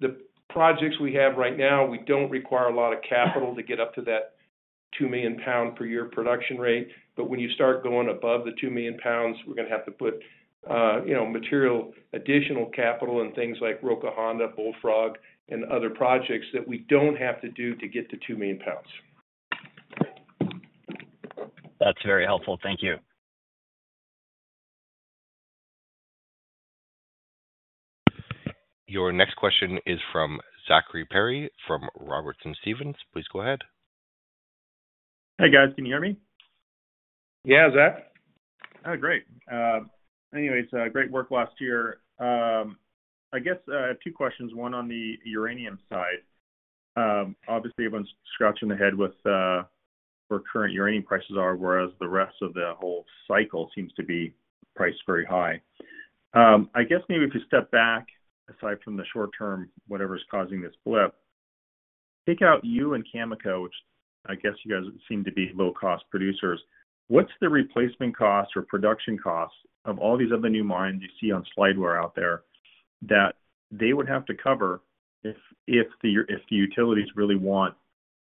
the projects we have right now, we don't require a lot of capital to get up to that 2 million pound per year production rate. But when you start going above the 2 million pounds, we're going to have to put additional capital in things like Roca Honda, Bullfrog, and other projects that we don't have to do to get to 2 million pounds. That's very helpful. Thank you. Your next question is from Zack Perry from Robertson Stephens. Please go ahead. Hey, guys. Can you hear me? Yeah, Zack. Oh, great. Anyways, great work last year. I guess I have two questions, one on the uranium side. Obviously, everyone's scratching their head with where current uranium prices are, whereas the rest of the whole cycle seems to be priced very high. I guess maybe if you step back aside from the short-term, whatever's causing this blip, pick out you and Cameco, which I guess you guys seem to be low-cost producers. What's the replacement cost or production cost of all these other new mines you see on slideware out there that they would have to cover if the utilities really want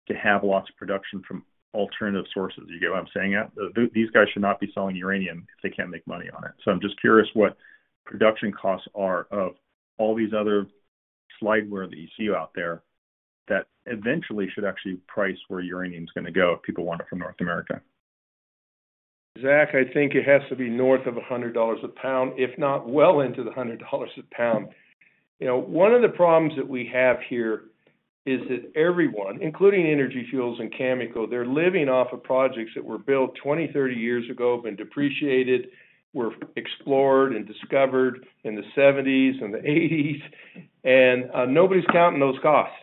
to have lots of production from alternative sources? You get what I'm saying? These guys should not be selling uranium if they can't make money on it. So I'm just curious what production costs are of all these other slideware that you see out there that eventually should actually price where uranium's going to go if people want it from North America. Zack, I think it has to be north of $100 a pound, if not well into the $100 a pound. One of the problems that we have here is that everyone, including Energy Fuels and Cameco, they're living off of projects that were built 20, 30 years ago, been depreciated, were explored and discovered in the 1970s and the 1980s, and noboDy's counting those costs.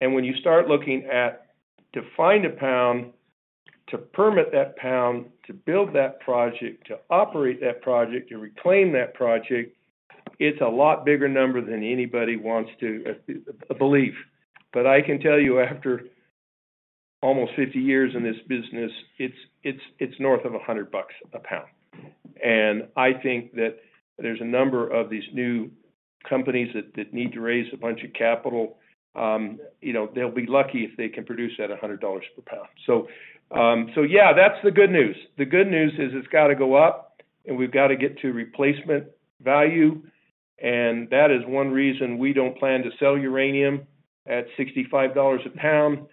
And when you start looking at to find a pound, to permit that pound, to build that project, to operate that project, to reclaim that project, it's a lot bigger number than anyboDy wants to believe. But I can tell you after almost 50 years in this business, it's north of $100 a pound. And I think that there's a number of these new companies that need to raise a bunch of capital. They'll be lucky if they can produce at $100 per pound. So yeah, that's the good news. The good news is it's got to go up, and we've got to get to replacement value. And that is one reason we don't plan to sell uranium at $65 a pound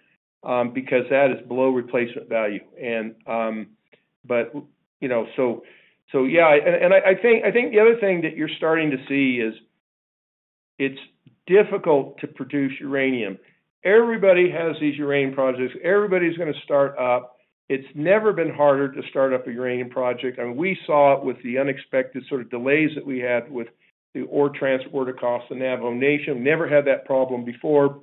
because that is below replacement value. But so yeah. And I think the other thing that you're starting to see is it's difficult to produce uranium. EveryboDy has these uranium projects. EveryboDy's going to start up. It's never been harder to start up a uranium project. I mean, we saw it with the unexpected sort of delays that we had with the ore transport across the Navajo Nation. We never had that problem before.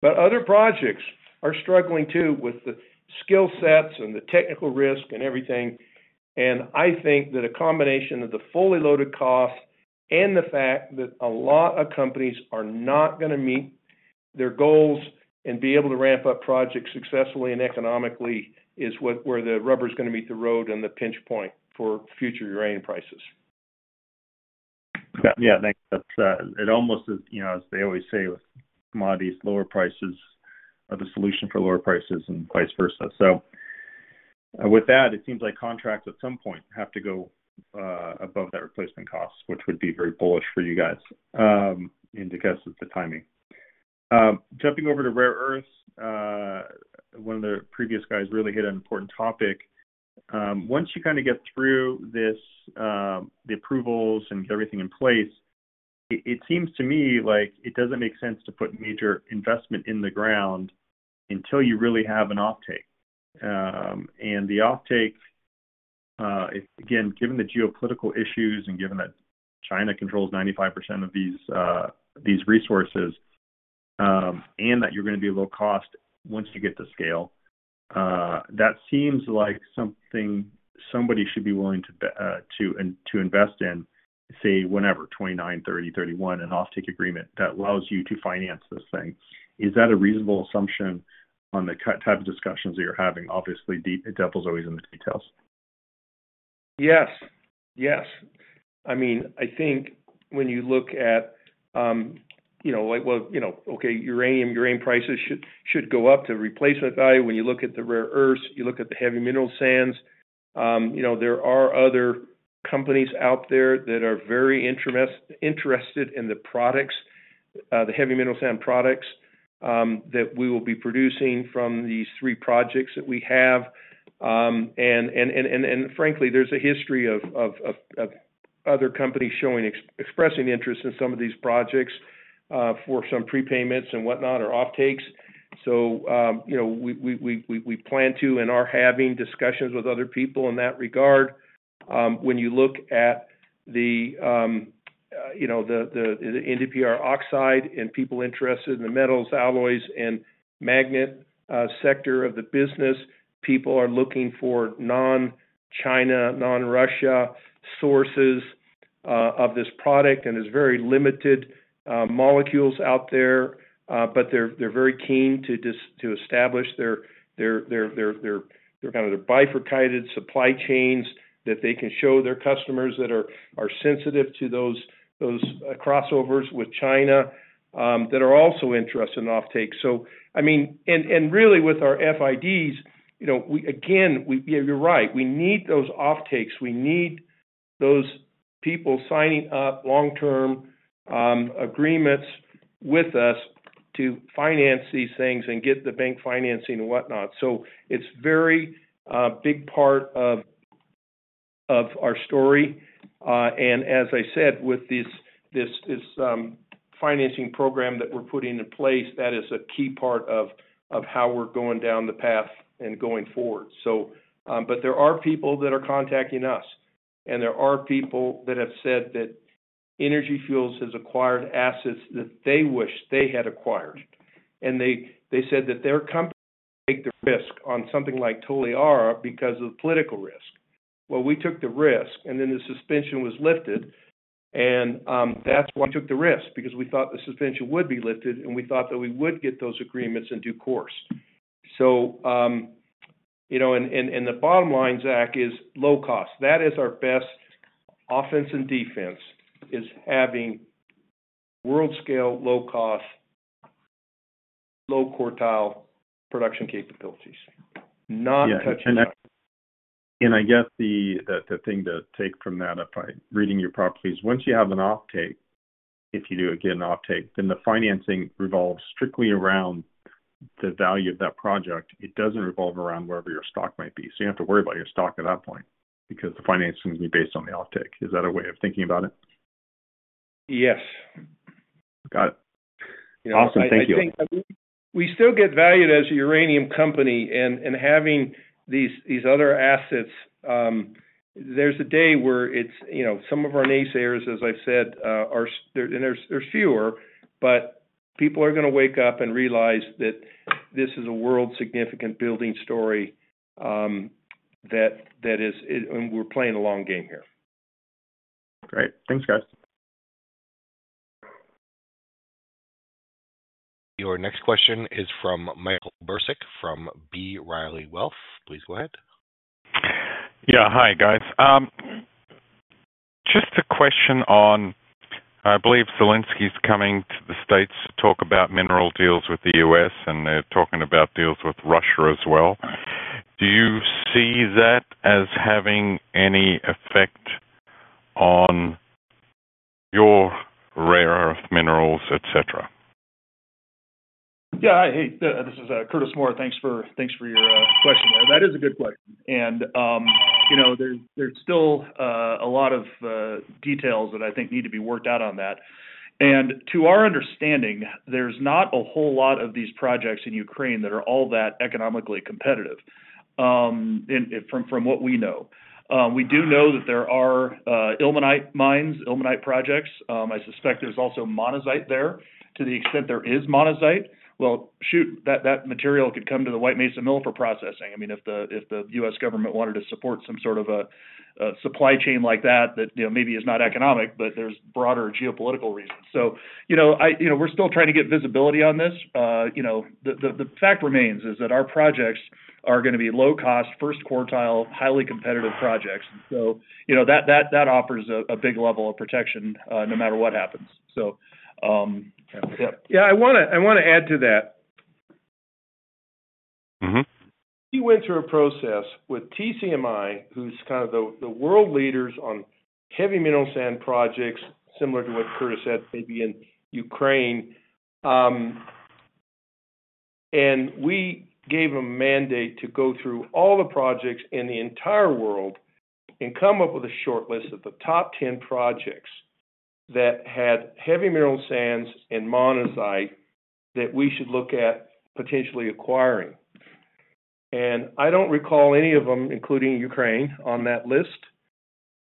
But other projects are struggling too with the skill sets and the technical risk and everything. And I think that a combination of the fully loaded cost and the fact that a lot of companies are not going to meet their goals and be able to ramp up projects successfully and economically is where the rubber's going to meet the road and the pinch point for future uranium prices. Yeah. It almost is, as they always say, with commodities, lower prices are the solution for lower prices and vice versa. So with that, it seems like contracts at some point have to go above that replacement cost, which would be very bullish for you guys. I mean, I guess it's the timing. Jumping over to rare earths, one of the previous guys really hit an important topic. Once you kind of get through the approvals and get everything in place, it seems to me like it doesn't make sense to put major investment in the ground until you really have an off-take. And the off-take, again, given the geopolitical issues and given that China controls 95% of these resources and that you're going to be low cost once you get to scale, that seems like something someboDy should be willing to invest in, say, whenever, 2029, 2030, 2031, an off-take agreement that allows you to finance this thing. Is that a reasonable assumption on the type of discussions that you're having? Obviously, the devil's always in the details. Yes. Yes. I mean, I think when you look at, well, okay, uranium prices should go up to replacement value. When you look at the rare earths, you look at the heavy mineral sands. There are other companies out there that are very interested in the heavy mineral sands products that we will be producing from these three projects that we have. Frankly, there's a history of other companies expressing interest in some of these projects for some prepayments and whatnot or off-takes. We plan to and are having discussions with other people in that regard. When you look at the NdPr oxide and people interested in the metals, alloys, and magnet sector of the business, people are looking for non-China, non-Russia sources of this product. There's very limited molecules out there, but they're very keen to establish their kind of bifurcated supply chains that they can show their customers that are sensitive to those crossovers with China that are also interested in off-take. I mean, and really with our FIDs, again, you're right. We need those off-takes. We need those people signing up long-term agreements with us to finance these things and get the bank financing and whatnot. So it's a very big part of our story. And as I said, with this financing program that we're putting in place, that is a key part of how we're going down the path and going forward. But there are people that are contacting us, and there are people that have said that Energy Fuels has acquired assets that they wish they had acquired. And they said that their company would take the risk on something like Toliara because of the political risk. Well, we took the risk, and then the suspension was lifted. And that's why we took the risk because we thought the suspension would be lifted, and we thought that we would get those agreements and of course. So and the bottom line, Zack, is low cost. That is our best offense and defense is having world-scale, low-cost, low-quartile production capabilities, not touching. And I guess the thing to take from that, if I'm reading you properly, is once you have an off-take, if you do get an off-take, then the financing revolves strictly around the value of that project. It doesn't revolve around wherever your stock might be. So you have to worry about your stock at that point because the financing is going to be Based on the off-take. Is that a way of thinking about it? Yes. Got it. Awesome. Thank you. I think we still get valued as a uranium company. And having these other assets, there's a day where some of our naysayers, as I've said, and there's fewer, but people are going to wake up and realize that this is a world-significant building story that we're playing a long game here. Great. Thanks, guys. Your next question is from Michael Bursick from B. Riley Wealth. Please go ahead. Yeah. Hi, guys. Just a question on, I believe, Zelenskyy's coming to the States to talk about mineral deals with the U.S., and they're talking about deals with Russia as well. Do you see that as having any effect on your rare earth minerals, etc.? Yeah. This is Curtis Moore. Thanks for your question there. That is a good question, and there's still a lot of details that I think need to be worked out on that. And to our understanding, there's not a whole lot of these projects in Ukraine that are all that economically competitive from what we know. We do know that there are ilmenite mines, ilmenite projects. I suspect there's also monazite there to the extent there is monazite. Well, shoot, that material could come to the White Mesa Mill for processing. I mean, if the U.S. government wanted to support some sort of a supply chain like that that maybe is not economic, but there's broader geopolitical reasons. So we're still trying to get visibility on this. The fact remains is that our projects are going to be low-cost, first quartile, highly competitive projects. So that offers a big level of protection no matter what happens. So yeah. Yeah. I want to add to that. We went through a process with TZMI, who's kind of the world leaders on heavy mineral sand projects, similar to what Curtis said maybe in Ukraine. And we gave them a mandate to go through all the projects in the entire world and come up with a shortlist of the top 10 projects that had heavy mineral sands and monazite that we should look at potentially acquiring. And I don't recall any of them, including Ukraine, on that list.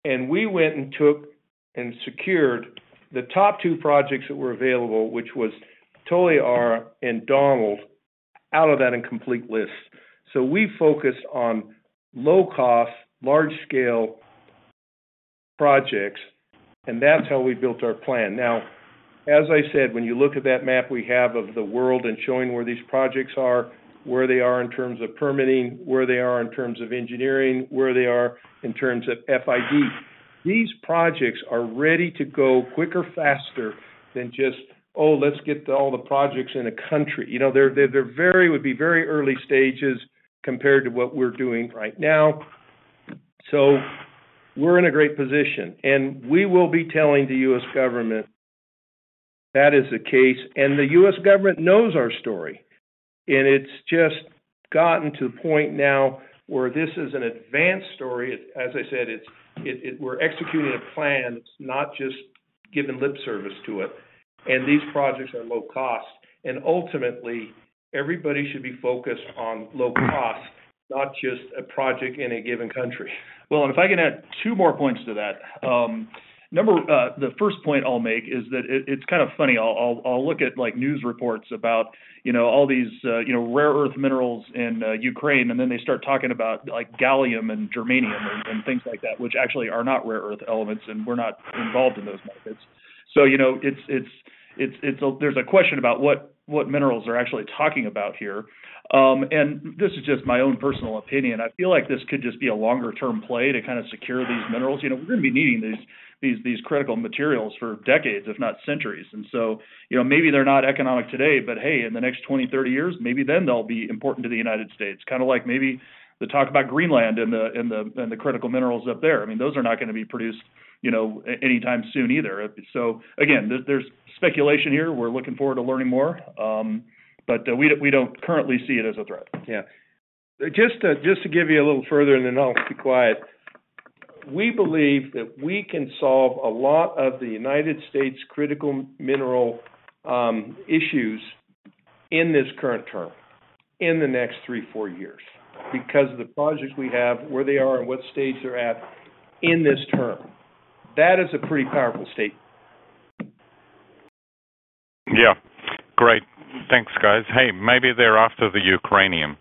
And we went and took and secured the top two projects that were available, which was Toliara and Donald, out of that incomplete list. So we focused on low-cost, large-scale projects, and that's how we built our plan. Now, as I said, when you look at that map we have of the world and showing where these projects are, where they are in terms of permitting, where they are in terms of engineering, where they are in terms of FID, these projects are reaDy to go quicker, faster than just, "Oh, let's get all the projects in a country." They would be very early stages compared to what we're doing right now. So we're in a great position. And we will be telling the U.S. government that is the case. And the U.S. government knows our story. And it's just gotten to the point now where this is an advanced story. As I said, we're executing a plan. It's not just giving lip service to it. And these projects are low cost. Ultimately, everyboDy should be focused on low cost, not just a project in a given country. If I can add two more points to that. The first point I'll make is that it's kind of funny. I'll look at news reports about all these rare earth minerals in Ukraine, and then they start talking about gallium and germanium and things like that, which actually are not rare earth elements, and we're not involved in those markets. So there's a question about what minerals are actually talking about here. This is just my own personal opinion. I feel like this could just be a longer-term play to kind of secure these minerals. We're going to be needing these critical materials for decades, if not centuries. And so maybe they're not economic today, but hey, in the next 20, 30 years, maybe then they'll be important to the United States. Kind of like maybe the talk about Greenland and the critical minerals up there. I mean, those are not going to be produced anytime soon either. So again, there's speculation here. We're looking forward to learning more. But we don't currently see it as a threat. Yeah. Just to give you a little further, and then I'll be quiet. We believe that we can solve a lot of the United States' critical mineral issues in this current term in the next three, four years because of the projects we have, where they are, and what stage they're at in this term. That is a pretty powerful statement. Yeah. Great. Thanks, guys. Hey, maybe they're after the Ukrainian.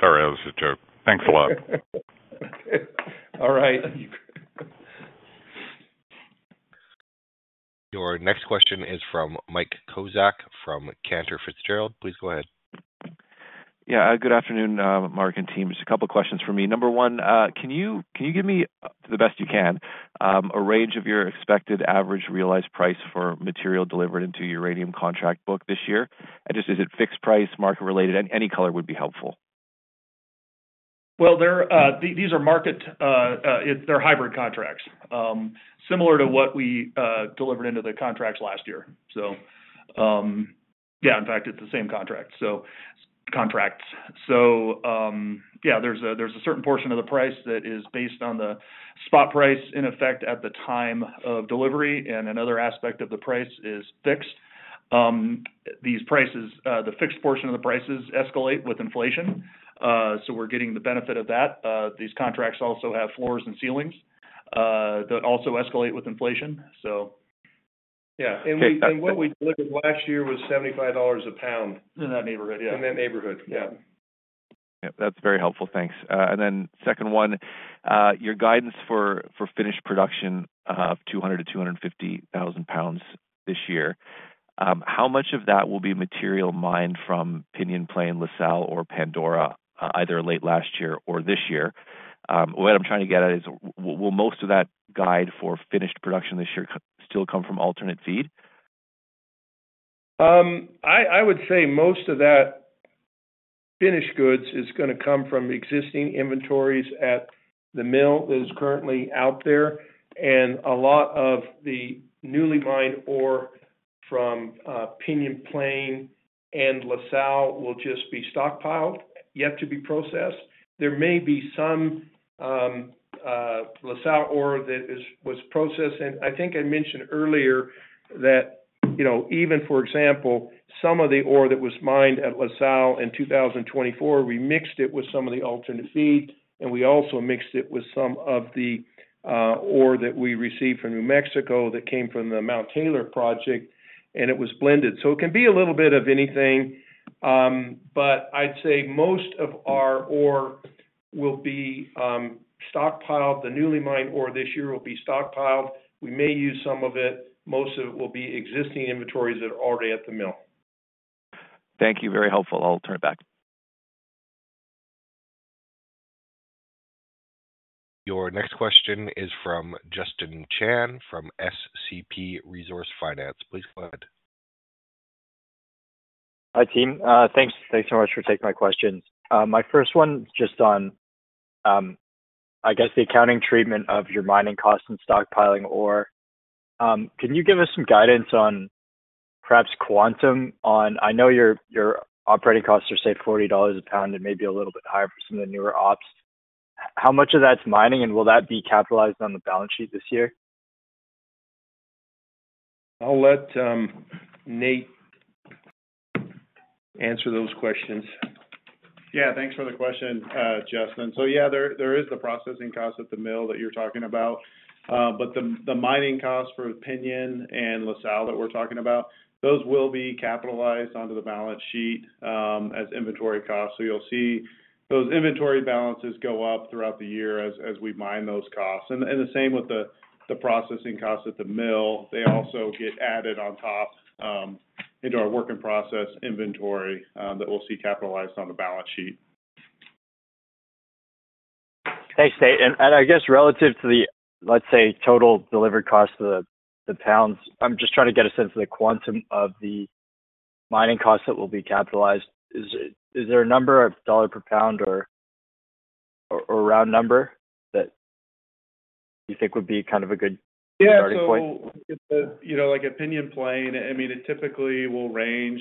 Sorry, that was a joke. Thanks a lot. All right. Your next question is from Mike Kozak from Cantor Fitzgerald. Please go ahead. Yeah. Good afternoon, Mark and team. Just a couple of questions for me. Number one, can you give me, to the best you can, a range of your expected average realized price for material delivered into uranium contract book this year? And just is it fixed price, market-related? Any color would be helpful. Well, these are hybrid contracts, similar to what we delivered into the contracts last year. So yeah, in fact, it's the same contracts. So yeah, there's a certain portion of the price that is Based on the spot price in effect at the time of delivery. And another aspect of the price is fixed. The fixed portion of the prices escalate with inflation. So we're getting the benefit of that. These contracts also have floors and ceilings that also escalate with inflation. So yeah. And what we delivered last year was $75 a pound in that neighborhood. Yeah. In that neighborhood. Yeah. Yep. That's very helpful. Thanks. And then second one, your guidance for finished production of 200,000-250,000 pounds this year, how much of that will be material mined from Pinyon Plain, La Sal, or Pandora, either late last year or this year? What I'm trying to get at is, will most of that guide for finished production this year still come from alternate feed? I would say most of that finished goods is going to come from existing inventories at the mill that is currently out there. And a lot of the newly mined ore from Pinyon Plain and La Sal will just be stockpiled, yet to be processed. There may be some La Sal ore that was processed. I think I mentioned earlier that even, for example, some of the ore that was mined at La Sal in 2024, we mixed it with some of the alternate feed. And we also mixed it with some of the ore that we received from New Mexico that came from the Mount Taylor project. And it was blended. So it can be a little bit of anything. But I'd say most of our ore will be stockpiled. The newly mined ore this year will be stockpiled. We may use some of it. Most of it will be existing inventories that are alreaDy at the mill. Thank you. Very helpful. I'll turn it back. Your next question is from Justin Chan from SCP Resource Finance. Please go ahead. Hi, team. Thanks so much for taking my questions. My first one is just on, I guess, the accounting treatment of your mining costs and stockpiling ore. Can you give us some guidance on perhaps quantum on? I know your operating costs are, say, $40 a pound and maybe a little bit higher for some of the newer ops. How much of that's mining, and will that be capitalized on the balance sheet this year? I'll let Nate answer those questions. Yeah. Thanks for the question, Justin. So yeah, there is the processing cost at the mill that you're talking about, but the mining costs for Pinyon and La Sal that we're talking about; those will be capitalized onto the balance sheet as inventory costs. So you'll see those inventory balances go up throughout the year as we mine those costs, and the same with the processing costs at the mill. They also get added on top into our work-in-process inventory that we'll see capitalized on the balance sheet. Thanks, Nate. And I guess relative to the, let's say, total delivered cost of the pounds, I'm just trying to get a sense of the quantum of the mining costs that will be capitalized. Is there a number of dollars per pound or a round number that you think would be kind of a good starting point? Yeah. So look at the Pinyon Plain. I mean, it typically will range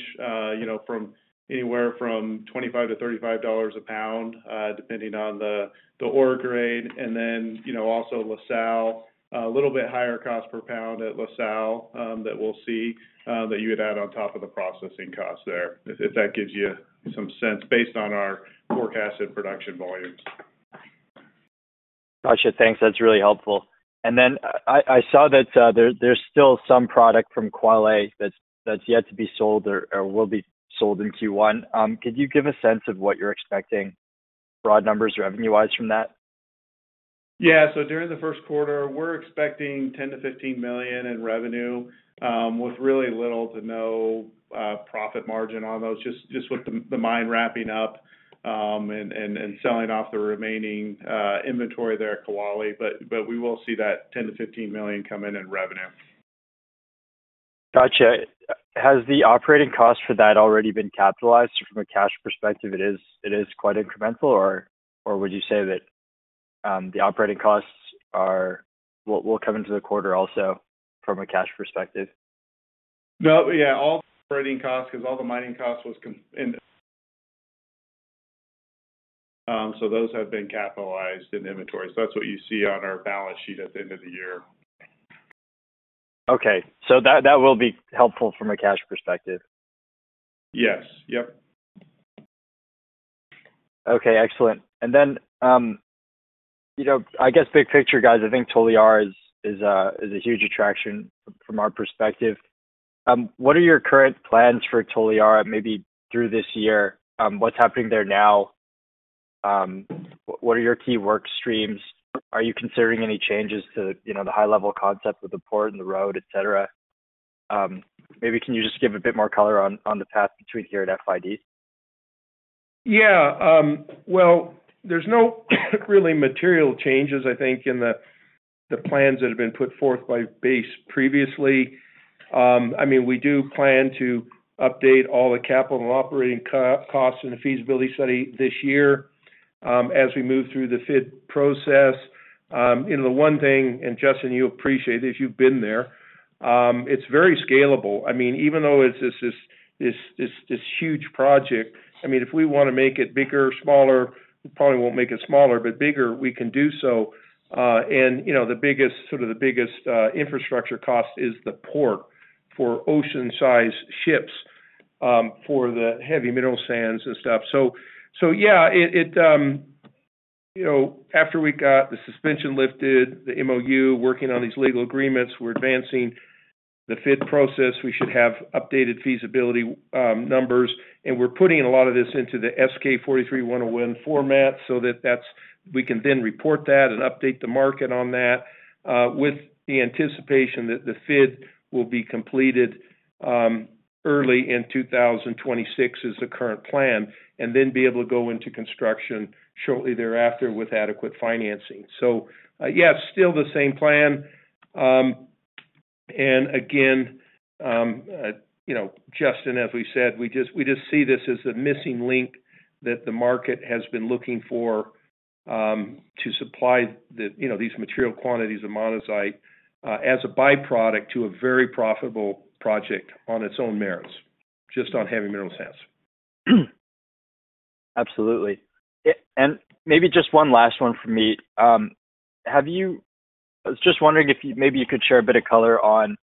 anywhere from $25-$35 a pound, depending on the ore grade. And then also La Sal, a little bit higher cost per pound at La Sal that we'll see that you would add on top of the processing costs there, if that gives you some sense Based on our forecasted production volumes. Gotcha. Thanks. That's really helpful. Then I saw that there's still some product from Kwale that's yet to be sold or will be sold in Q1. Could you give a sense of what you're expecting, broad numbers, revenue-wise from that? Yeah. So during the first quarter, we're expecting $10 million-$15 million in revenue with really little to no profit margin on those, just with the mine wrapping up and selling off the remaining inventory there at Kwale. But we will see that $10 million-$15 million come in in revenue. Gotcha. Has the operating cost for that alreaDy been capitalized? From a cash perspective, it is quite incremental, or would you say that the operating costs will come into the quarter also from a cash perspective? Yeah. All operating costs because all the mining costs was, so those have been capitalized in inventory. So that's what you see on our balance sheet at the end of the year. Okay. So that will be helpful from a cash perspective. Yes. Yep. Okay. Excellent. And then I guess big picture, guys, I think Toliara is a huge attraction from our perspective. What are your current plans for Toliara maybe through this year? What's happening there now? What are your key work streams? Are you considering any changes to the high-level concept with the port and the road, etc.? Maybe can you just give a bit more color on the path between here and FID? Yeah. Well, there's no really material changes, I think, in the plans that have been put forth by Base previously. I mean, we do plan to update all the capital and operating costs and the feasibility study this year as we move through the FID process. The one thing, and Justin, you appreciate it if you've been there, it's very scalable. I mean, even though it's this huge project, I mean, if we want to make it bigger or smaller, we probably won't make it smaller, but bigger, we can do so. Sort of the biggest infrastructure cost is the port for ocean-sized ships for the heavy mineral sands and stuff. Yeah, after we got the suspension lifted, the MOU, working on these legal agreements, we're advancing the FID process. We should have updated feasibility numbers, and we're putting a lot of this into the NI 43-101 format so that we can then report that and update the market on that with the anticipation that the FID will be completed early in 2026 is the current plan, and then be able to go into construction shortly thereafter with adequate financing. Yeah, still the same plan. And again, Justin, as we said, we just see this as a missing link that the market has been looking for to supply these material quantities of monazite as a byproduct to a very profitable project on its own merits, just on heavy mineral sands. Absolutely. And maybe just one last one for me. I was just wondering if maybe you could share a bit of color on,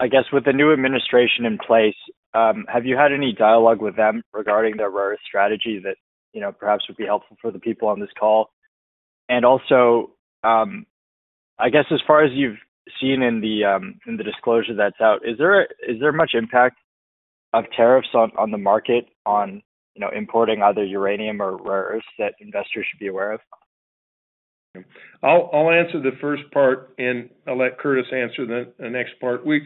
I guess, with the new administration in place, have you had any dialogue with them regarding their rare earth strategy that perhaps would be helpful for the people on this call? And also, I guess as far as you've seen in the disclosure that's out, is there much impact of tariffs on the market on importing either uranium or rare earths that investors should be aware of? I'll answer the first part, and I'll let Curtis answer the next part. It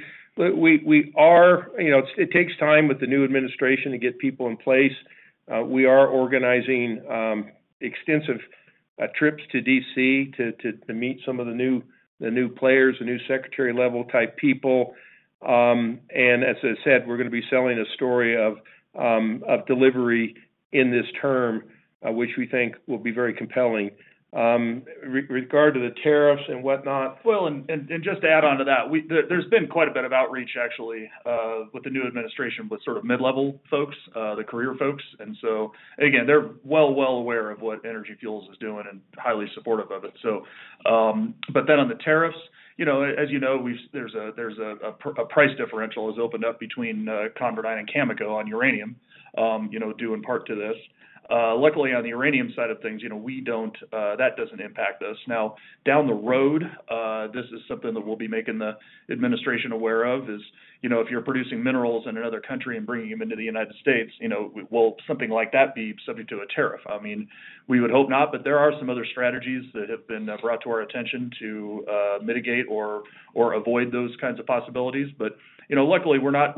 takes time with the new administration to get people in place. We are organizing extensive trips to D.C. to meet some of the new players, the new secretary-level type people. And as I said, we're going to be selling a story of delivery in this term, which we think will be very compelling. Regarding the tariffs and whatnot. Well, and just to add on to that, there's been quite a bit of outreach, actually, with the new administration with sort of mid-level folks, the career folks. And so again, they're well aware of what Energy Fuels is doing and highly supportive of it. But then on the tariffs, as you know, there's a price differential that's opened up between ConverDyn and Cameco on uranium, due in part to this. Luckily, on the uranium side of things, that doesn't impact us. Now, down the road, this is something that we'll be making the administration aware of, is if you're producing minerals in another country and bringing them into the United States, will something like that be subject to a tariff? I mean, we would hope not. But there are some other strategies that have been brought to our attention to mitigate or avoid those kinds of possibilities. But luckily, we're not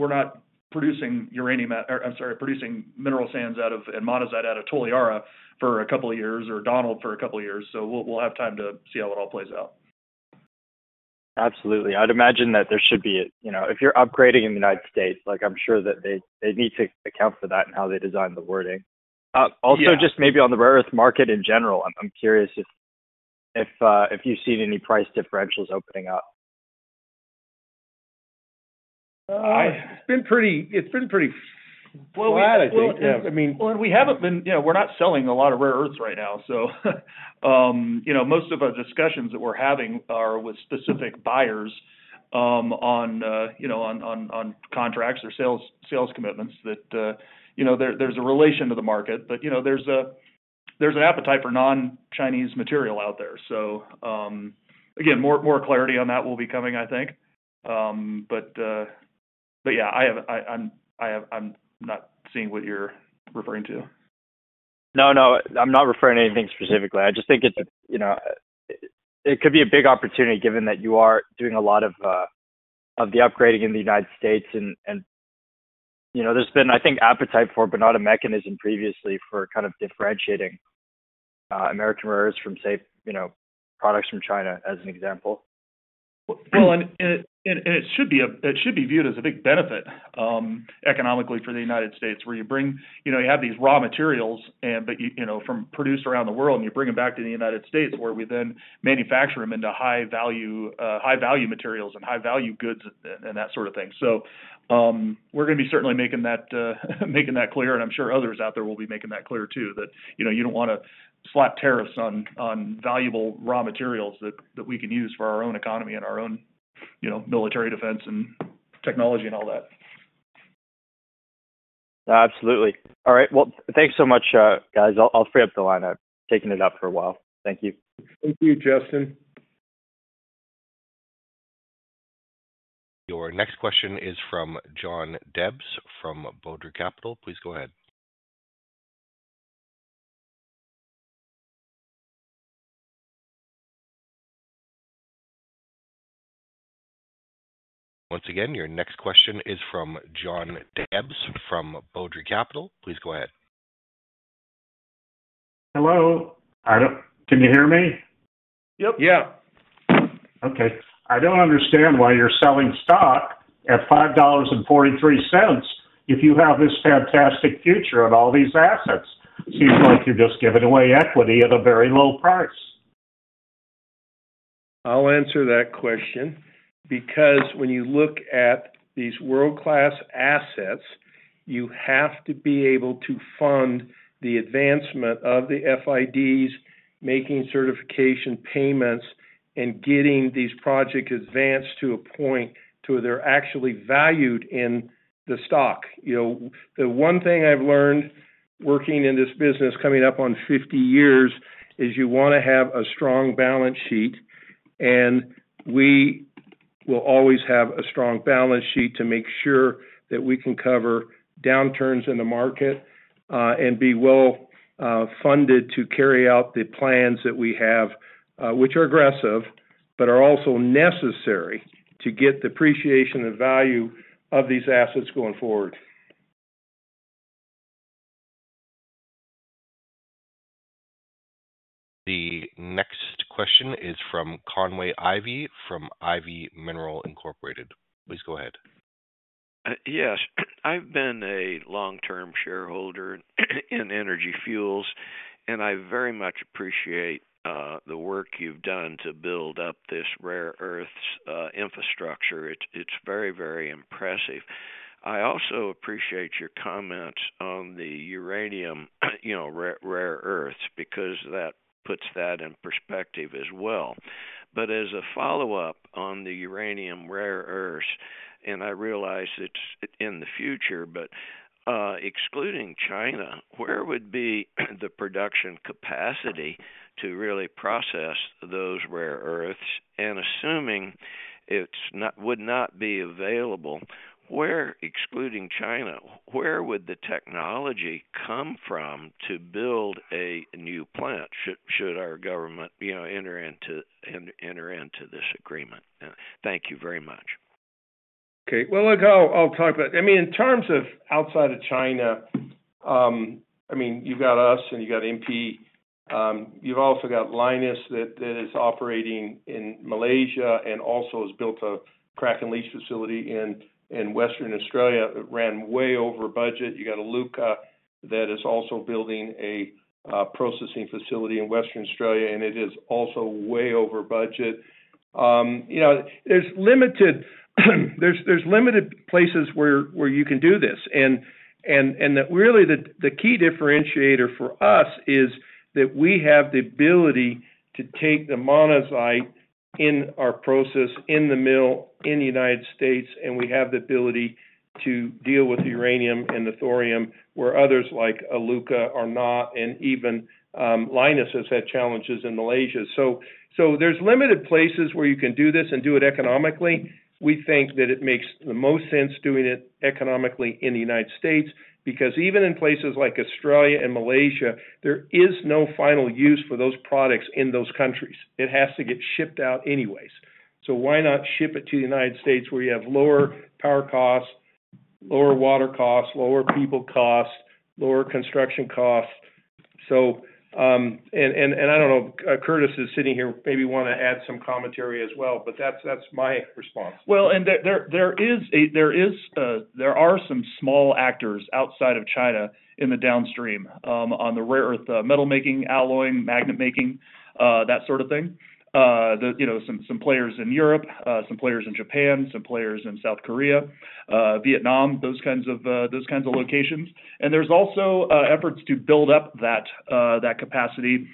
producing uranium, I'm sorry, producing mineral sands and monazite out of Toliara for a couple of years or Donald for a couple of years. So we'll have time to see how it all plays out. Absolutely. I'd imagine that there should be a, if you're upgrading in the United States, I'm sure that they need to account for that in how they design the wording. Also, just maybe on the rare earth market in general, I'm curious if you've seen any price differentials opening up. It's been pretty, well, we had, I think. Well, and we haven't been, we're not selling a lot of rare earths right now. So most of our discussions that we're having are with specific buyers on contracts or sales commitments that there's a relation to the market. But there's an appetite for non-Chinese material out there. So again, more clarity on that will be coming, I think. But yeah, I'm not seeing what you're referring to. No, no. I'm not referring to anything specifically. I just think it could be a big opportunity given that you are doing a lot of the upgrading in the United States. And there's been, I think, appetite for, but not a mechanism previously for kind of differentiating American rare earths from, say, products from China, as an example. Well, and it should be viewed as a big benefit economically for the United States, where you have these raw materials produced around the world, and you bring them back to the United States, where we then manufacture them into high-value materials and high-value goods and that sort of thing. So we're going to be certainly making that clear. And I'm sure others out there will be making that clear too, that you don't want to slap tariffs on valuable raw materials that we can use for our own economy and our own military defense and technology and all that. Absolutely. All right. Well, thanks so much, guys. I'll free up the line. I've taken it up for a while. Thank you. Thank you, Justin. Your next question is from John Debs from Bodri Capital. Please go ahead. Once again, your next question is from John Debs from Bodri Capital. Please go ahead. Hello. Can you hear me? Yep. Yeah. Okay. I don't understand why you're selling stock at $5.43 if you have this fantastic future and all these assets. Seems like you're just giving away equity at a very low price. I'll answer that question. Because when you look at these world-class assets, you have to be able to fund the advancement of the FIDs, making certification payments, and getting these projects advanced to a point to where they're actually valued in the stock. The one thing I've learned working in this business coming up on 50 years is you want to have a strong balance sheet. We will always have a strong balance sheet to make sure that we can cover downturns in the market and be well-funded to carry out the plans that we have, which are aggressive but are also necessary to get the appreciation and value of these assets going forward. The next question is from Conway Ivey from Ivey Minerals Incorporated. Please go ahead. Yes. I've been a long-term shareholder in Energy Fuels, and I very much appreciate the work you've done to build up this rare earths infrastructure. It's very, very impressive. I also appreciate your comments on the uranium rare earths because that puts that in perspective as well. But as a follow-up on the uranium rare earths, and I realize it's in the future, but excluding China, where would be the production capacity to really process those rare earths? And assuming it would not be available, excluding China, where would the technology come from to build a new plant should our government enter into this agreement? Thank you very much. Okay. Well, look, I'll talk about it. I mean, in terms of outside of China, I mean, you've got us, and you've got MP. You've also got Lynas that is operating in Malaysia and also has built a crack and leach facility in Western Australia. It ran way over budget. You've got Iluka that is also building a processing facility in Western Australia, and it is also way over budget. There's limited places where you can do this. Really, the key differentiator for us is that we have the ability to take the monazite in our process in the mill in the United States, and we have the ability to deal with uranium and the thorium where others like Iluka are not. Even Lynas has had challenges in Malaysia. So there's limited places where you can do this and do it economically. We think that it makes the most sense doing it economically in the United States because even in places like Australia and Malaysia, there is no final use for those products in those countries. It has to get shipped out anyways. So why not ship it to the United States where you have lower power costs, lower water costs, lower people costs, lower construction costs? I don't know. Curtis is sitting here. Maybe you want to add some commentary as well, but that's my response, well, and there are some small actors outside of China in the downstream on the rare earth metal making, alloying, magnet making, that sort of thing. Some players in Europe, some players in Japan, some players in South Korea, Vietnam, those kinds of locations, and there's also efforts to build up that capacity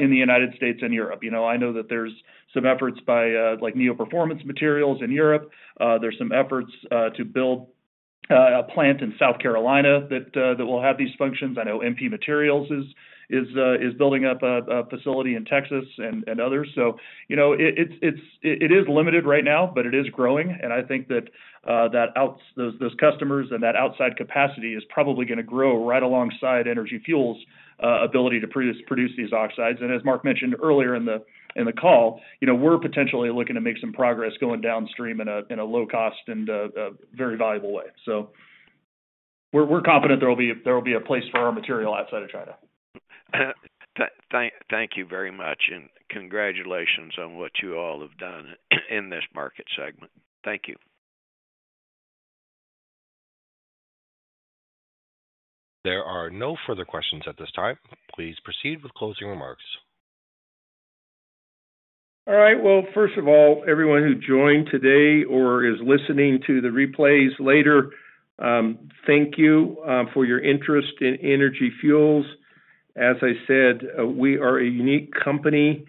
in the United States and Europe. I know that there's some efforts by Neo Performance Materials in Europe. There's some efforts to build a plant in South Carolina that will have these functions. I know MP Materials is building up a facility in Texas and others. So it is limited right now, but it is growing, and I think that those customers and that outside capacity is probably going to grow right alongside Energy Fuels' ability to produce these oxides. As Mark mentioned earlier in the call, we're potentially looking to make some progress going downstream in a low-cost and very valuable way. So we're confident there will be a place for our material outside of China. Thank you very much, and congratulations on what you all have done in this market segment. Thank you. There are no further questions at this time. Please proceed with closing remarks. All right. Well, first of all, everyone who joined today or is listening to the replays later, thank you for your interest in Energy Fuels. As I said, we are a unique company,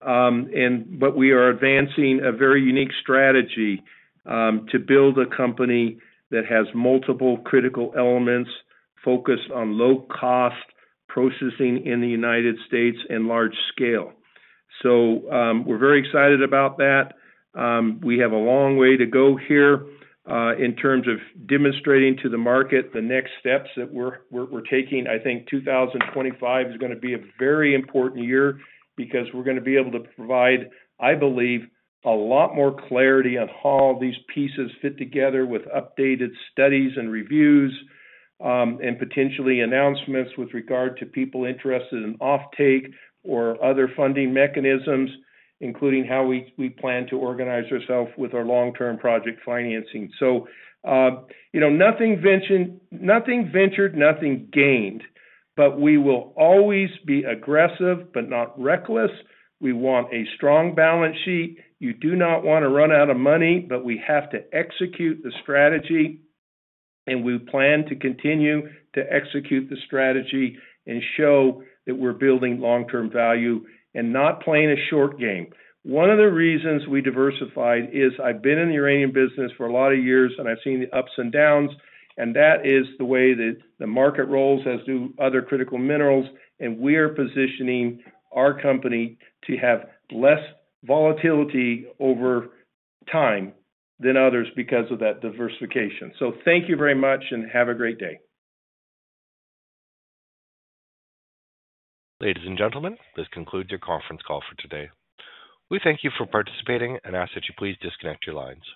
but we are advancing a very unique strategy to build a company that has multiple critical elements focused on low-cost processing in the United States and large scale. So we're very excited about that. We have a long way to go here in terms of demonstrating to the market the next steps that we're taking. I think 2025 is going to be a very important year because we're going to be able to provide, I believe, a lot more clarity on how these pieces fit together with updated studies and reviews and potentially announcements with regard to people interested in offtake or other funding mechanisms, including how we plan to organize ourselves with our long-term project financing. So nothing ventured, nothing gained, but we will always be aggressive but not reckless. We want a strong balance sheet. You do not want to run out of money, but we have to execute the strategy. And we plan to continue to execute the strategy and show that we're building long-term value and not playing a short game. One of the reasons we diversified is I've been in the uranium business for a lot of years, and I've seen the ups and downs, and that is the way that the market rolls, as do other critical minerals, and we are positioning our company to have less volatility over time than others because of that diversification, so thank you very much, and have a great day. Ladies and gentlemen, this concludes your conference call for today. We thank you for participating and ask that you please disconnect your lines.